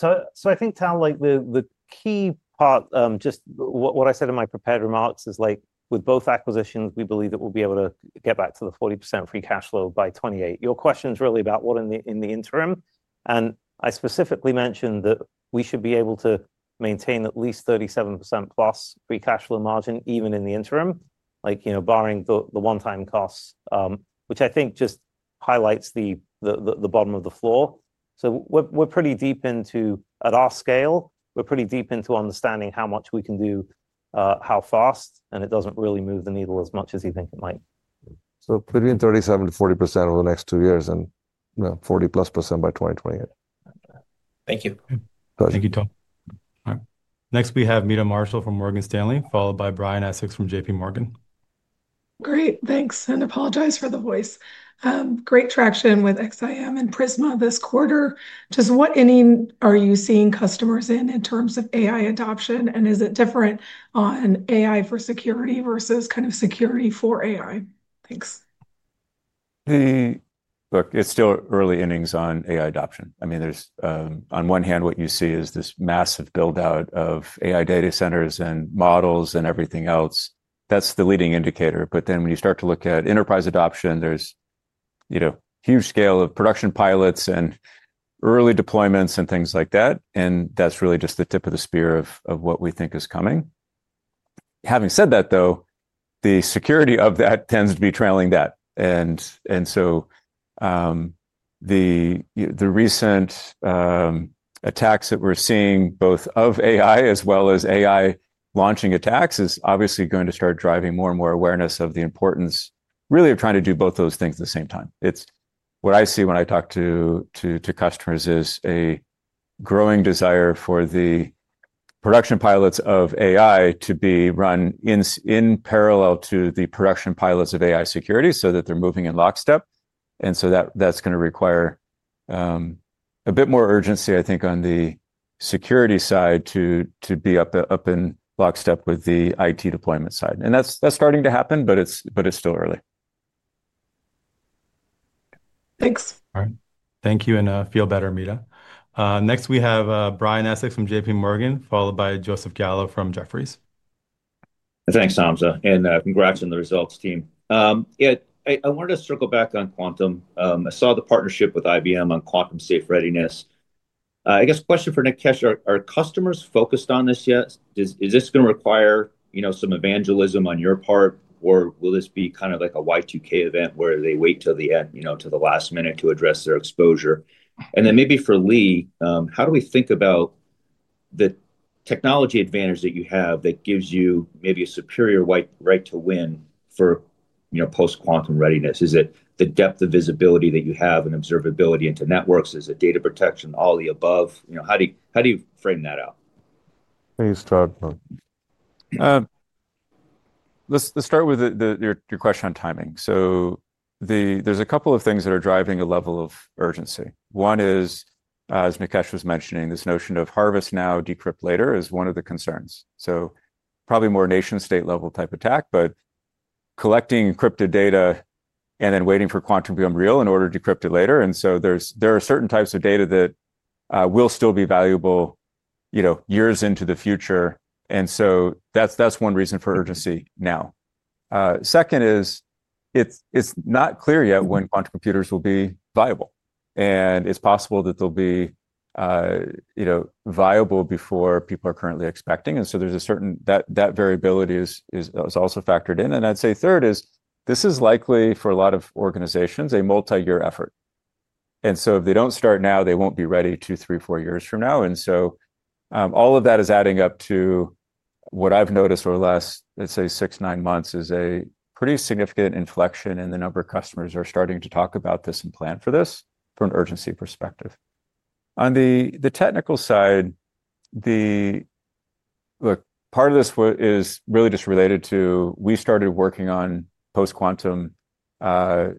I think, Tom, the key part, just what I said in my prepared remarks is like with both acquisitions, we believe that we'll be able to get back to the 40% free cash flow by 2028. Your question is really about what in the interim. I specifically mentioned that we should be able to maintain at least 37%+ free cash flow margin even in the interim, like you know barring the one-time costs, which I think just highlights the bottom of the floor. We're pretty deep into, at our scale, we're pretty deep into understanding how much we can do, how fast, and it doesn't really move the needle as much as you think it might. Between 37%-40% over the next two years and 40%+ by 2028. Thank you. Thank you, Tom. All right. Next, we have Meta Marshall from Morgan Stanley, followed by Brian Essex from JP Morgan. Great. Thanks. And apologize for the voice. Great traction with XIM and Prisma this quarter. Just what ending are you seeing customers in in terms of AI adoption? Is it different on AI for security versus kind of security for AI? Thanks. Look, it's still early innings on AI adoption. I mean, there's, on one hand, what you see is this massive buildout of AI data centers and models and everything else. That's the leading indicator. When you start to look at enterprise adoption, there's, you know, huge scale of production pilots and early deployments and things like that. That's really just the tip of the spear of what we think is coming. Having said that, though, the security of that tends to be trailing that. The recent attacks that we're seeing, both of AI as well as AI launching attacks, are obviously going to start driving more and more awareness of the importance, really, of trying to do both those things at the same time. It's what I see when I talk to customers is a growing desire for the production pilots of AI to be run in parallel to the production pilots of AI security so that they're moving in lockstep. That is going to require a bit more urgency, I think, on the security side to be up in lockstep with the IT deployment side. That is starting to happen, but it's still early. Thanks. All right. Thank you and feel better, Meta. Next, we have Brian Essex from JP Morgan, followed by Joe Gallo from Jefferies. Thanks, Hamza. Congrats on the results, team. Yeah, I wanted to circle back on quantum. I saw the partnership with IBM on quantum safe readiness. I guess question for Nikesh, are customers focused on this yet? Is this going to require, you know, some evangelism on your part, or will this be kind of like a Y2K event where they wait till the end, you know, to the last minute to address their exposure? Maybe for Lee, how do we think about the technology advantage that you have that gives you maybe a superior right to win for, you know, post-quantum readiness? Is it the depth of visibility that you have and observability into networks? Is it data protection, all the above? You know, how do you frame that out? Can you start? Let's start with your question on timing. There are a couple of things that are driving a level of urgency. One is, as Nikesh was mentioning, this notion of harvest now, decrypt later is one of the concerns. Probably more nation-state level type attack, but collecting encrypted data and then waiting for quantum to become real in order to decrypt it later. There are certain types of data that will still be valuable, you know, years into the future. That's one reason for urgency now. Second is, it's not clear yet when quantum computers will be viable. It's possible that they'll be, you know, viable before people are currently expecting. There's a certain, that variability is also factored in. I'd say third is, this is likely for a lot of organizations, a multi-year effort. If they don't start now, they won't be ready two, three, four years from now. All of that is adding up to what I've noticed over the last, let's say, six, nine months is a pretty significant inflection in the number of customers who are starting to talk about this and plan for this from an urgency perspective. On the technical side, look, part of this is really just related to we started working on post-quantum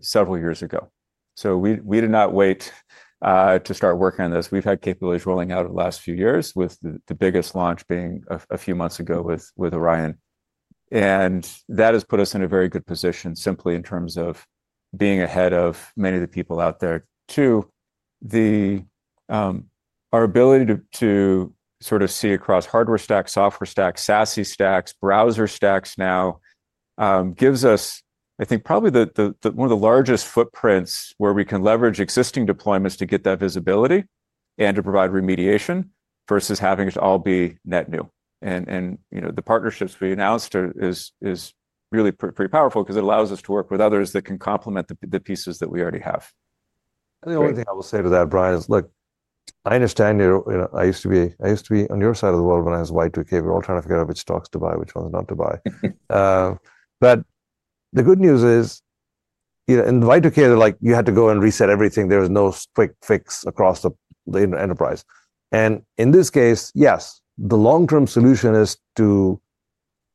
several years ago. We did not wait to start working on this. We've had capabilities rolling out in the last few years, with the biggest launch being a few months ago with Orion. That has put us in a very good position simply in terms of being ahead of many of the people out there. Two, our ability to sort of see across hardware stack, software stack, SASE stacks, browser stacks now gives us, I think, probably one of the largest footprints where we can leverage existing deployments to get that visibility and to provide remediation versus having it all be net new. You know, the partnerships we announced are really pretty powerful because it allows us to work with others that can complement the pieces that we already have. The only thing I will say to that, Brian, is, look, I understand you're, you know, I used to be, I used to be on your side of the world when I was Y2K. We were all trying to figure out which stocks to buy, which ones not to buy. The good news is, you know, in the Y2K, they're like, you had to go and reset everything. There was no quick fix across the enterprise. In this case, yes, the long-term solution is to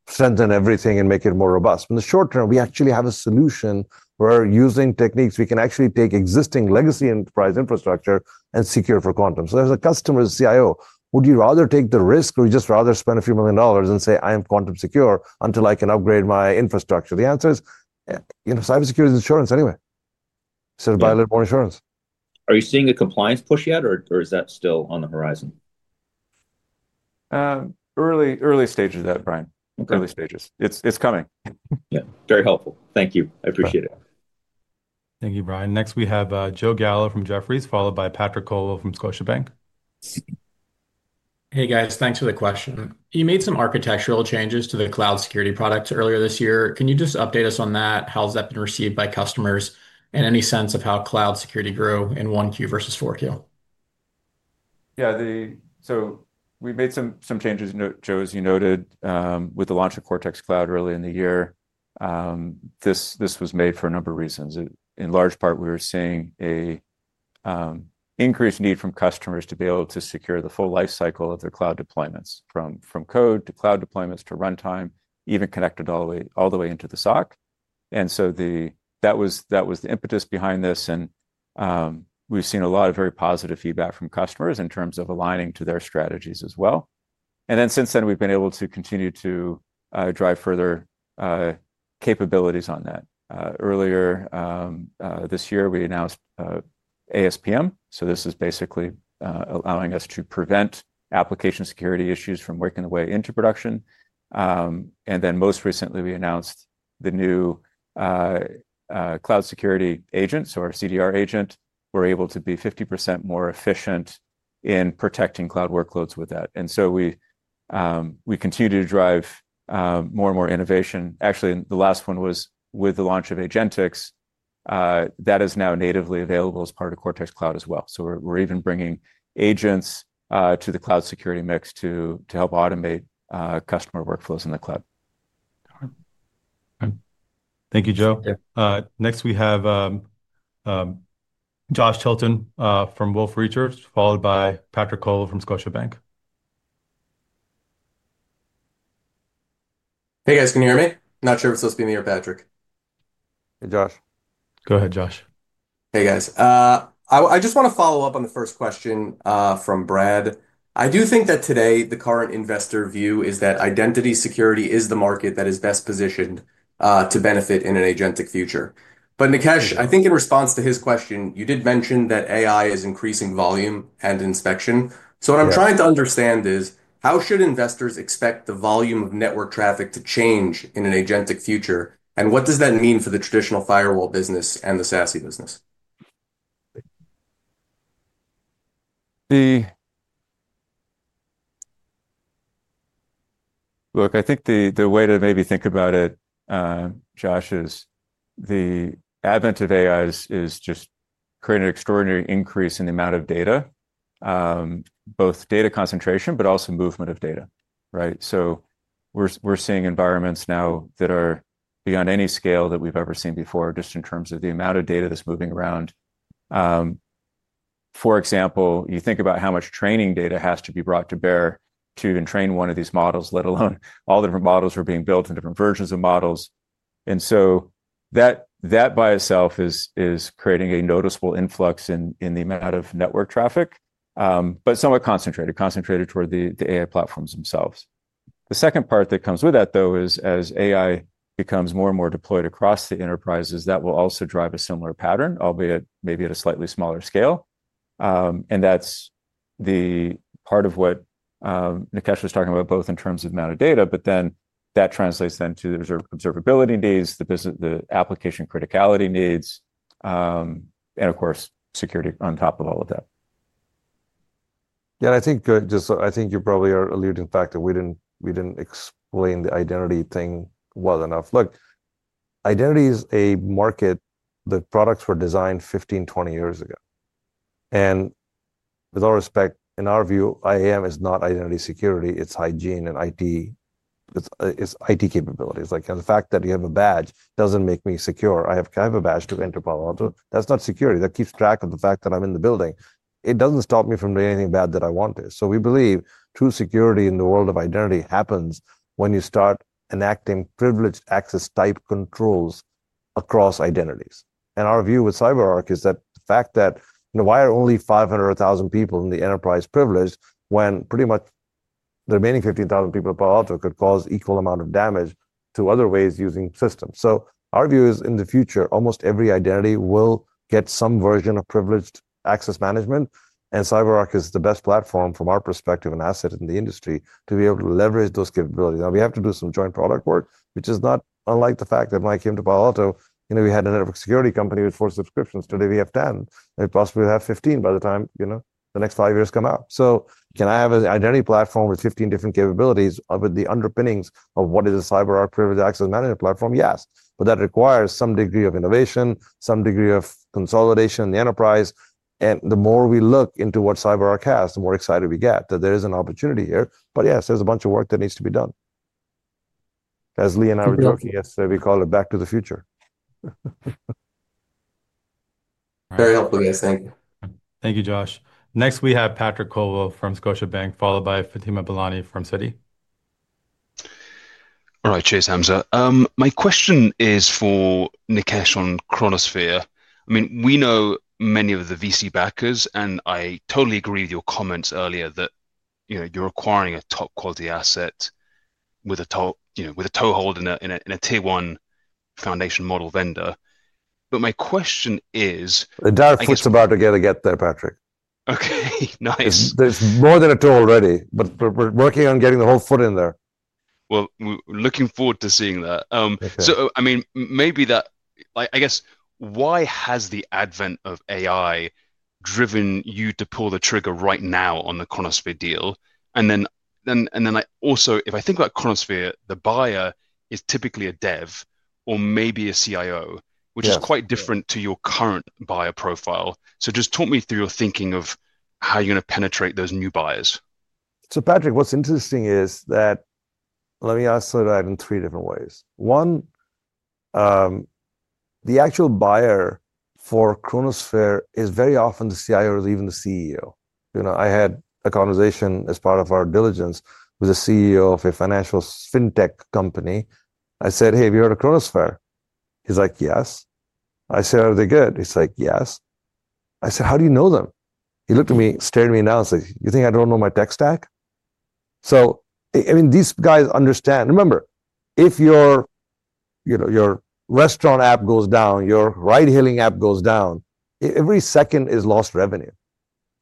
strengthen everything and make it more robust. In the short term, we actually have a solution where, using techniques, we can actually take existing legacy enterprise infrastructure and secure for quantum. As a customer's CIO, would you rather take the risk or you'd just rather spend a few million dollars and say, I am quantum secure until I can upgrade my infrastructure? The answer is, you know, cybersecurity is insurance anyway. Buy a little more insurance. Are you seeing a compliance push yet, or is that still on the horizon? Early stages of that, Brian. Early stages. It's coming. Yeah, very helpful. Thank you. I appreciate it. Thank you, Brian. Next, we have Joe Gallo from Jefferies, followed by Patrick Kole from Scotiabank. Hey, guys. Thanks for the question. You made some architectural changes to the cloud security products earlier this year. Can you just update us on that? How has that been received by customers and any sense of how cloud security grew in 1Q versus 4Q? Yeah, we made some changes, as you noted, with the launch of Cortex Cloud early in the year. This was made for a number of reasons. In large part, we were seeing an increased need from customers to be able to secure the full lifecycle of their cloud deployments, from code to cloud deployments to runtime, even connected all the way into the SOC. That was the impetus behind this. We have seen a lot of very positive feedback from customers in terms of aligning to their strategies as well. Since then, we have been able to continue to drive further capabilities on that. Earlier this year, we announced ASPM. This is basically allowing us to prevent application security issues from working their way into production. Most recently, we announced the new cloud security agent, so our CDR Agent, we're able to be 50% more efficient in protecting cloud workloads with that. We continue to drive more and more innovation. Actually, the last one was with the launch of Agentix. That is now natively available as part of Cortex Cloud as well. We are even bringing agents to the cloud security mix to help automate customer workflows in the cloud. Thank you, Joe. Next, we have Josh Tilton from Wolfe Research, followed by Patrick Kole from Scotiabank. Hey, guys. Can you hear me? Not sure if it's supposed to be me or Patrick. Hey, Josh. Go ahead, Josh. Hey, guys. I just want to follow up on the first question from Brad. I do think that today, the current investor view is that identity security is the market that is best positioned to benefit in an agentic future. Nikesh, I think in response to his question, you did mention that AI is increasing volume and inspection. What I'm trying to understand is, how should investors expect the volume of network traffic to change in an agentic future? What does that mean for the traditional firewall business and the SASE business? I think the way to maybe think about it, Josh, is the advent of AI has just created an extraordinary increase in the amount of data, both data concentration, but also movement of data. Right? We're seeing environments now that are beyond any scale that we've ever seen before, just in terms of the amount of data that's moving around. For example, you think about how much training data has to be brought to bear to train one of these models, let alone all different models that are being built in different versions of models. That by itself is creating a noticeable influx in the amount of network traffic, but somewhat concentrated, concentrated toward the AI platforms themselves. The second part that comes with that, though, is as AI becomes more and more deployed across the enterprises, that will also drive a similar pattern, albeit maybe at a slightly smaller scale. That's the part of what Nikesh was talking about, both in terms of the amount of data, but then that translates then to the observability needs, the application criticality needs, and of course, security on top of all of that. Yeah, I think just, I think you probably are alluding to the fact that we didn't explain the identity thing well enough. Look, identity is a market that products were designed 15-20 years ago. With all respect, in our view, IAM is not identity security. It's hygiene and IT capabilities. Like the fact that you have a badge doesn't make me secure. I have a badge to enter Palo Alto. That's not security. That keeps track of the fact that I'm in the building. It doesn't stop me from doing anything bad that I want to. We believe true security in the world of identity happens when you start enacting privileged access type controls across identities. Our view with CyberArk is that the fact that, you know, why are only 500,000 people in the enterprise privileged when pretty much the remaining 15,000 people at Palo Alto could cause equal amount of damage to other ways using systems? Our view is in the future, almost every identity will get some version of privileged access management. CyberArk is the best platform from our perspective and asset in the industry to be able to leverage those capabilities. Now, we have to do some joint product work, which is not unlike the fact that when I came to Palo Alto, you know, we had a network security company with four subscriptions. Today, we have 10. We possibly will have 15 by the time, you know, the next five years come out. Can I have an identity platform with 15 different capabilities with the underpinnings of what is a CyberArk privileged access management platform? Yes. That requires some degree of innovation, some degree of consolidation in the enterprise. The more we look into what CyberArk has, the more excited we get that there is an opportunity here. Yes, there's a bunch of work that needs to be done. As Lee and I were joking yesterday, we called it back to the future. Very helpful, guys. Thank you. Thank you, Josh. Next, we have Patrick Kole from Scotiabank, followed by Fatima Bilani from CITI. All right, Chase Hamza. My question is for Nikesh on Kronosphere. I mean, we know many of the VC backers, and I totally agree with your comments earlier that, you know, you're acquiring a top-quality asset with a toe hold in a tier-one foundation model vendor. My question is, the dark foot's about to get there, Patrick. Okay, nice. There's more than a toe already, but we're working on getting the whole foot in there. Looking forward to seeing that. I mean, maybe that, I guess, why has the advent of AI driven you to pull the trigger right now on the Kronosphere deal? If I think about Kronosphere, the buyer is typically a dev or maybe a CIO, which is quite different to your current buyer profile. Just talk me through your thinking of how you're going to penetrate those new buyers. Patrick, what's interesting is that let me ask that in three different ways. One, the actual buyer for Kronosphere is very often the CIO or even the CEO. You know, I had a conversation as part of our diligence with the CEO of a financial fintech company. I said, "Hey, have you heard of Kronosphere?" He's like, "Yes." I said, "Are they good?" He's like, "Yes." I said, "How do you know them?" He looked at me, stared me in the eye, and said, "You think I don't know my tech stack?" I mean, these guys understand. Remember, if your, you know, your restaurant app goes down, your ride-hailing app goes down, every second is lost revenue.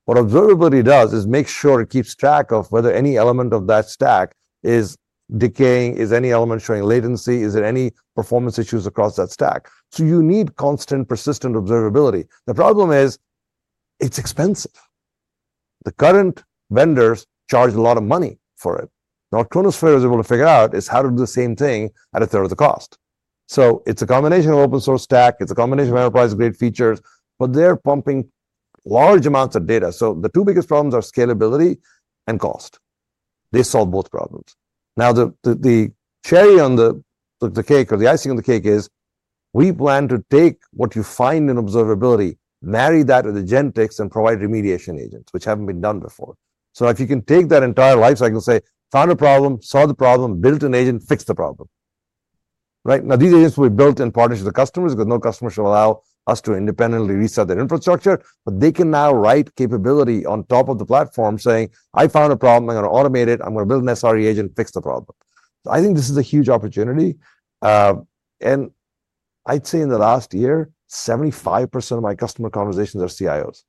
What observability does is make sure it keeps track of whether any element of that stack is decaying. Is any element showing latency? Is there any performance issues across that stack? You need constant, persistent observability. The problem is it's expensive. The current vendors charge a lot of money for it. Now, Kronosphere is able to figure out how to do the same thing at a third of the cost. It's a combination of open-source stack. It's a combination of enterprise-grade features, but they're pumping large amounts of data. The two biggest problems are scalability and cost. They solve both problems. The cherry on the cake or the icing on the cake is we plan to take what you find in observability, marry that with Agentix and provide remediation agents, which haven't been done before. If you can take that entire lifecycle and say, "Found a problem, solve the problem, build an agent, fix the problem." Right? Now, these agents will be built in partnership with customers because no customer should allow us to independently reset their infrastructure. They can now write capability on top of the platform saying, "I found a problem. I'm going to automate it. I'm going to build an SRE agent, fix the problem." I think this is a huge opportunity. I'd say in the last year, 75% of my customer conversations are CIOs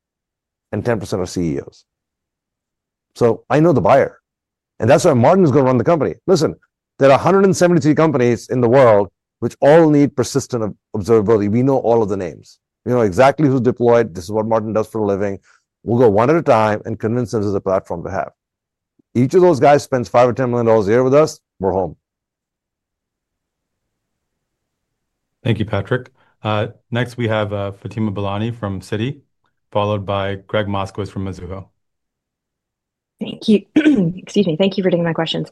and 10% are CEOs. I know the buyer. That is why Martin is going to run the company. Listen, there are 173 companies in the world which all need persistent observability. We know all of the names. We know exactly who's deployed. This is what Martin does for a living. We'll go one at a time and convince them there's a platform to have. Each of those guys spends five or ten million dollars a year with us, we're home. Thank you, Patrick. Next, we have Fatima Boolani from CITI, followed by Greg Moskowitz from Azuho. Thank you. Excuse me. Thank you for taking my questions.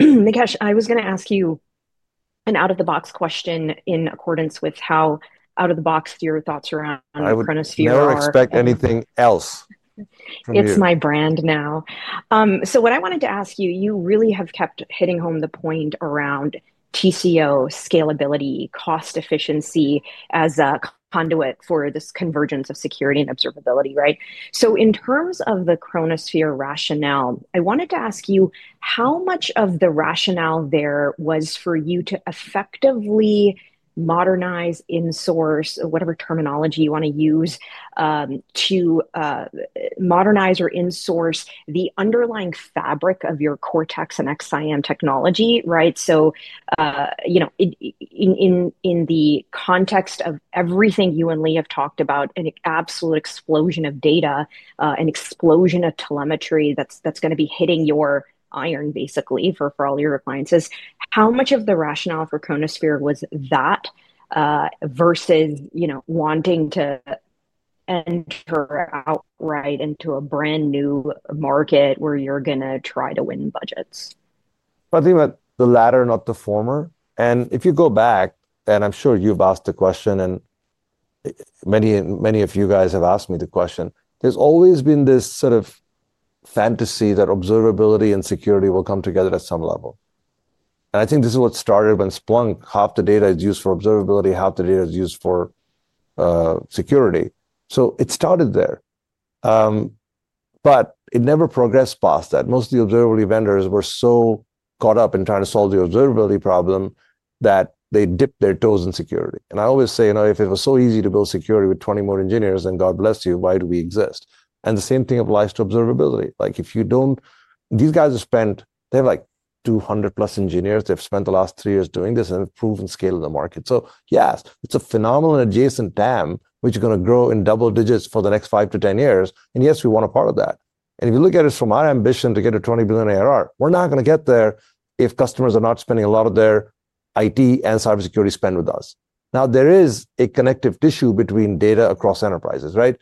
Nikesh, I was going to ask you an out-of-the-box question in accordance with how out-of-the-box your thoughts around Kronosphere are. I would never expect anything else. It's my brand now. What I wanted to ask you, you really have kept hitting home the point around TCO, scalability, cost efficiency as a conduit for this convergence of security and observability, right? In terms of the Kronosphere rationale, I wanted to ask you how much of the rationale there was for you to effectively modernize in-source, whatever terminology you want to use, to modernize or in-source the underlying fabric of your Cortex and XIM technology, right? You know, in the context of everything you and Lee have talked about, an absolute explosion of data, an explosion of telemetry that's going to be hitting your iron, basically, for all your appliances, how much of the rationale for Kronosphere was that versus, you know, wanting to enter outright into a brand new market where you're going to try to win budgets? I think about the latter, not the former. If you go back, and I'm sure you've asked the question, and many, many of you guys have asked me the question, there's always been this sort of fantasy that observability and security will come together at some level. I think this is what started when Splunk, half the data is used for observability, half the data is used for security. It started there. It never progressed past that. Most of the observability vendors were so caught up in trying to solve the observability problem that they dipped their toes in security. I always say, you know, if it was so easy to build security with 20 more engineers, then God bless you, why do we exist? The same thing applies to observability. Like if you do not, these guys have spent, they have like 200 plus engineers. They have spent the last three years doing this and have proven scale in the market. Yes, it is a phenomenal adjacent DAM, which is going to grow in double digits for the next five to ten years. Yes, we want a part of that. If you look at it from our ambition to get to $20 billion ARR, we're not going to get there if customers are not spending a lot of their IT and cybersecurity spend with us. There is a connective tissue between data across enterprises, right?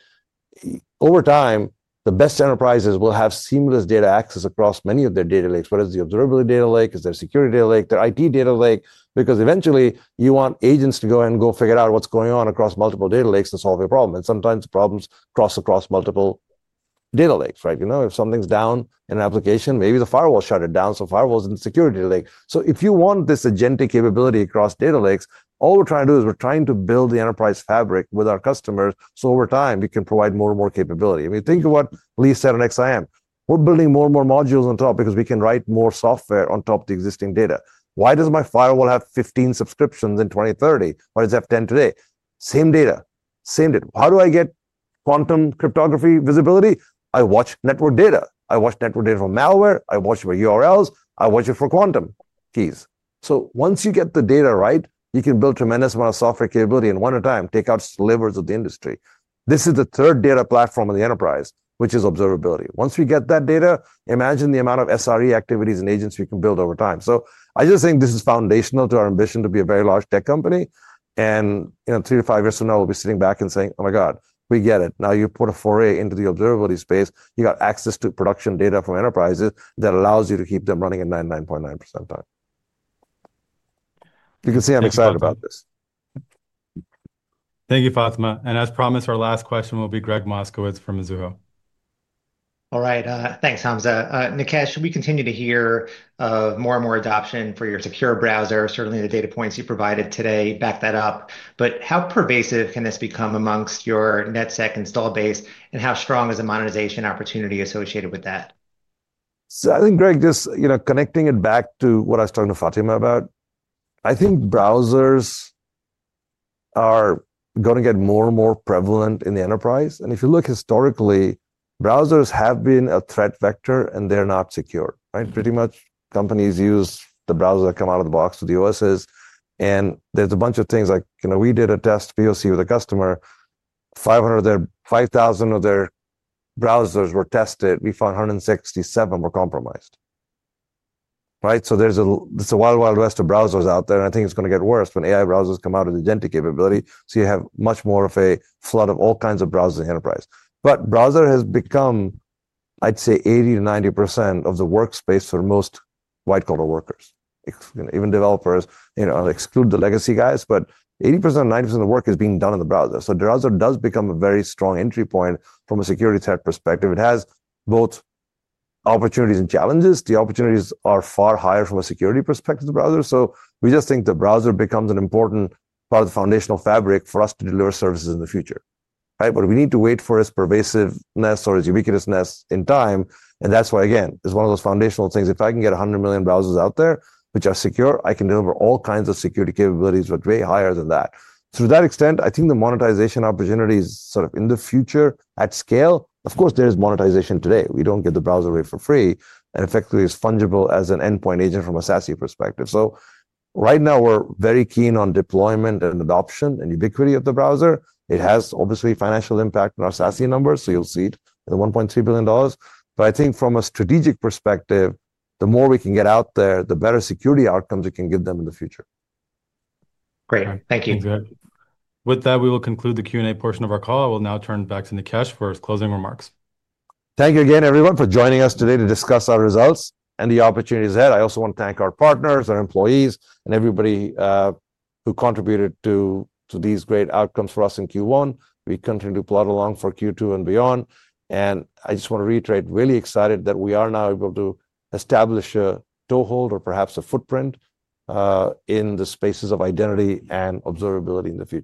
Over time, the best enterprises will have seamless data access across many of their data lakes. What is the observability data lake? Is there a security data lake? Is there an IT data lake? Because eventually, you want agents to go and go figure out what's going on across multiple data lakes and solve your problem. Sometimes the problems cross across multiple data lakes, right? You know, if something's down in an application, maybe the firewall shut it down. The firewall's in the security lake. If you want this agentic capability across data lakes, all we're trying to do is we're trying to build the enterprise fabric with our customers so over time we can provide more and more capability. I mean, think of what Lee said on XIM. We're building more and more modules on top because we can write more software on top of the existing data. Why does my firewall have 15 subscriptions in 2030? Why does it have 10 today? Same data, same data. How do I get quantum cryptography visibility? I watch network data. I watch network data from malware. I watch for URLs. I watch it for quantum keys. Once you get the data right, you can build a tremendous amount of software capability in one at a time, take out slivers of the industry. This is the third data platform in the enterprise, which is observability. Once we get that data, imagine the amount of SRE activities and agents we can build over time. I just think this is foundational to our ambition to be a very large tech company. You know, three to five years from now, we'll be sitting back and saying, "Oh my God, we get it." Now you put a foray into the observability space, you got access to production data from enterprises that allows you to keep them running at 99.9% time. You can see I'm excited about this. Thank you, Fatima. As promised, our last question will be Greg Moskowitz from Azuho. All right. Thanks, Hamza. Nikesh, we continue to hear more and more adoption for your secure browser. Certainly, the data points you provided today back that up. How pervasive can this become amongst your net sec install base? How strong is the modernization opportunity associated with that? I think, Greg, just, you know, connecting it back to what I was talking to Fatima about, I think browsers are going to get more and more prevalent in the enterprise. If you look historically, browsers have been a threat vector and they're not secure, right? Pretty much companies use the browser that come out of the box with the OSs. There's a bunch of things like, you know, we did a test POC with a customer. 5,000 of their browsers were tested. We found 167 were compromised, right? It's a wild, wild west of browsers out there. I think it's going to get worse when AI browsers come out with agentic capability. You have much more of a flood of all kinds of browsers in the enterprise. Browser has become, I'd say, 80-90% of the workspace for most white-collar workers. Even developers, you know, exclude the legacy guys, but 80% or 90% of the work is being done in the browser. The browser does become a very strong entry point from a security threat perspective. It has both opportunities and challenges. The opportunities are far higher from a security perspective of the browser. We just think the browser becomes an important part of the foundational fabric for us to deliver services in the future, right? We need to wait for its pervasiveness or its ubiquitousness in time. That is why, again, it is one of those foundational things. If I can get 100 million browsers out there, which are secure, I can deliver all kinds of security capabilities, but way higher than that. To that extent, I think the monetization opportunity is sort of in the future at scale. Of course, there is monetization today. We do not get the browser away for free. And effectively, it is fungible as an endpoint agent from a SASE perspective. Right now, we are very keen on deployment and adoption and ubiquity of the browser. It has obviously financial impact on our SASE numbers. You will see it at $1.3 billion. I think from a strategic perspective, the more we can get out there, the better security outcomes we can give them in the future. Great. Thank you. With that, we will conclude the Q&A portion of our call. I will now turn back to Nikesh for his closing remarks. Thank you again, everyone, for joining us today to discuss our results and the opportunities ahead. I also want to thank our partners, our employees, and everybody who contributed to these great outcomes for us in Q1. We continue to plot along for Q2 and beyond. I just want to reiterate, really excited that we are now able to establish a toehold or perhaps a footprint in the spaces of identity and observability in the future.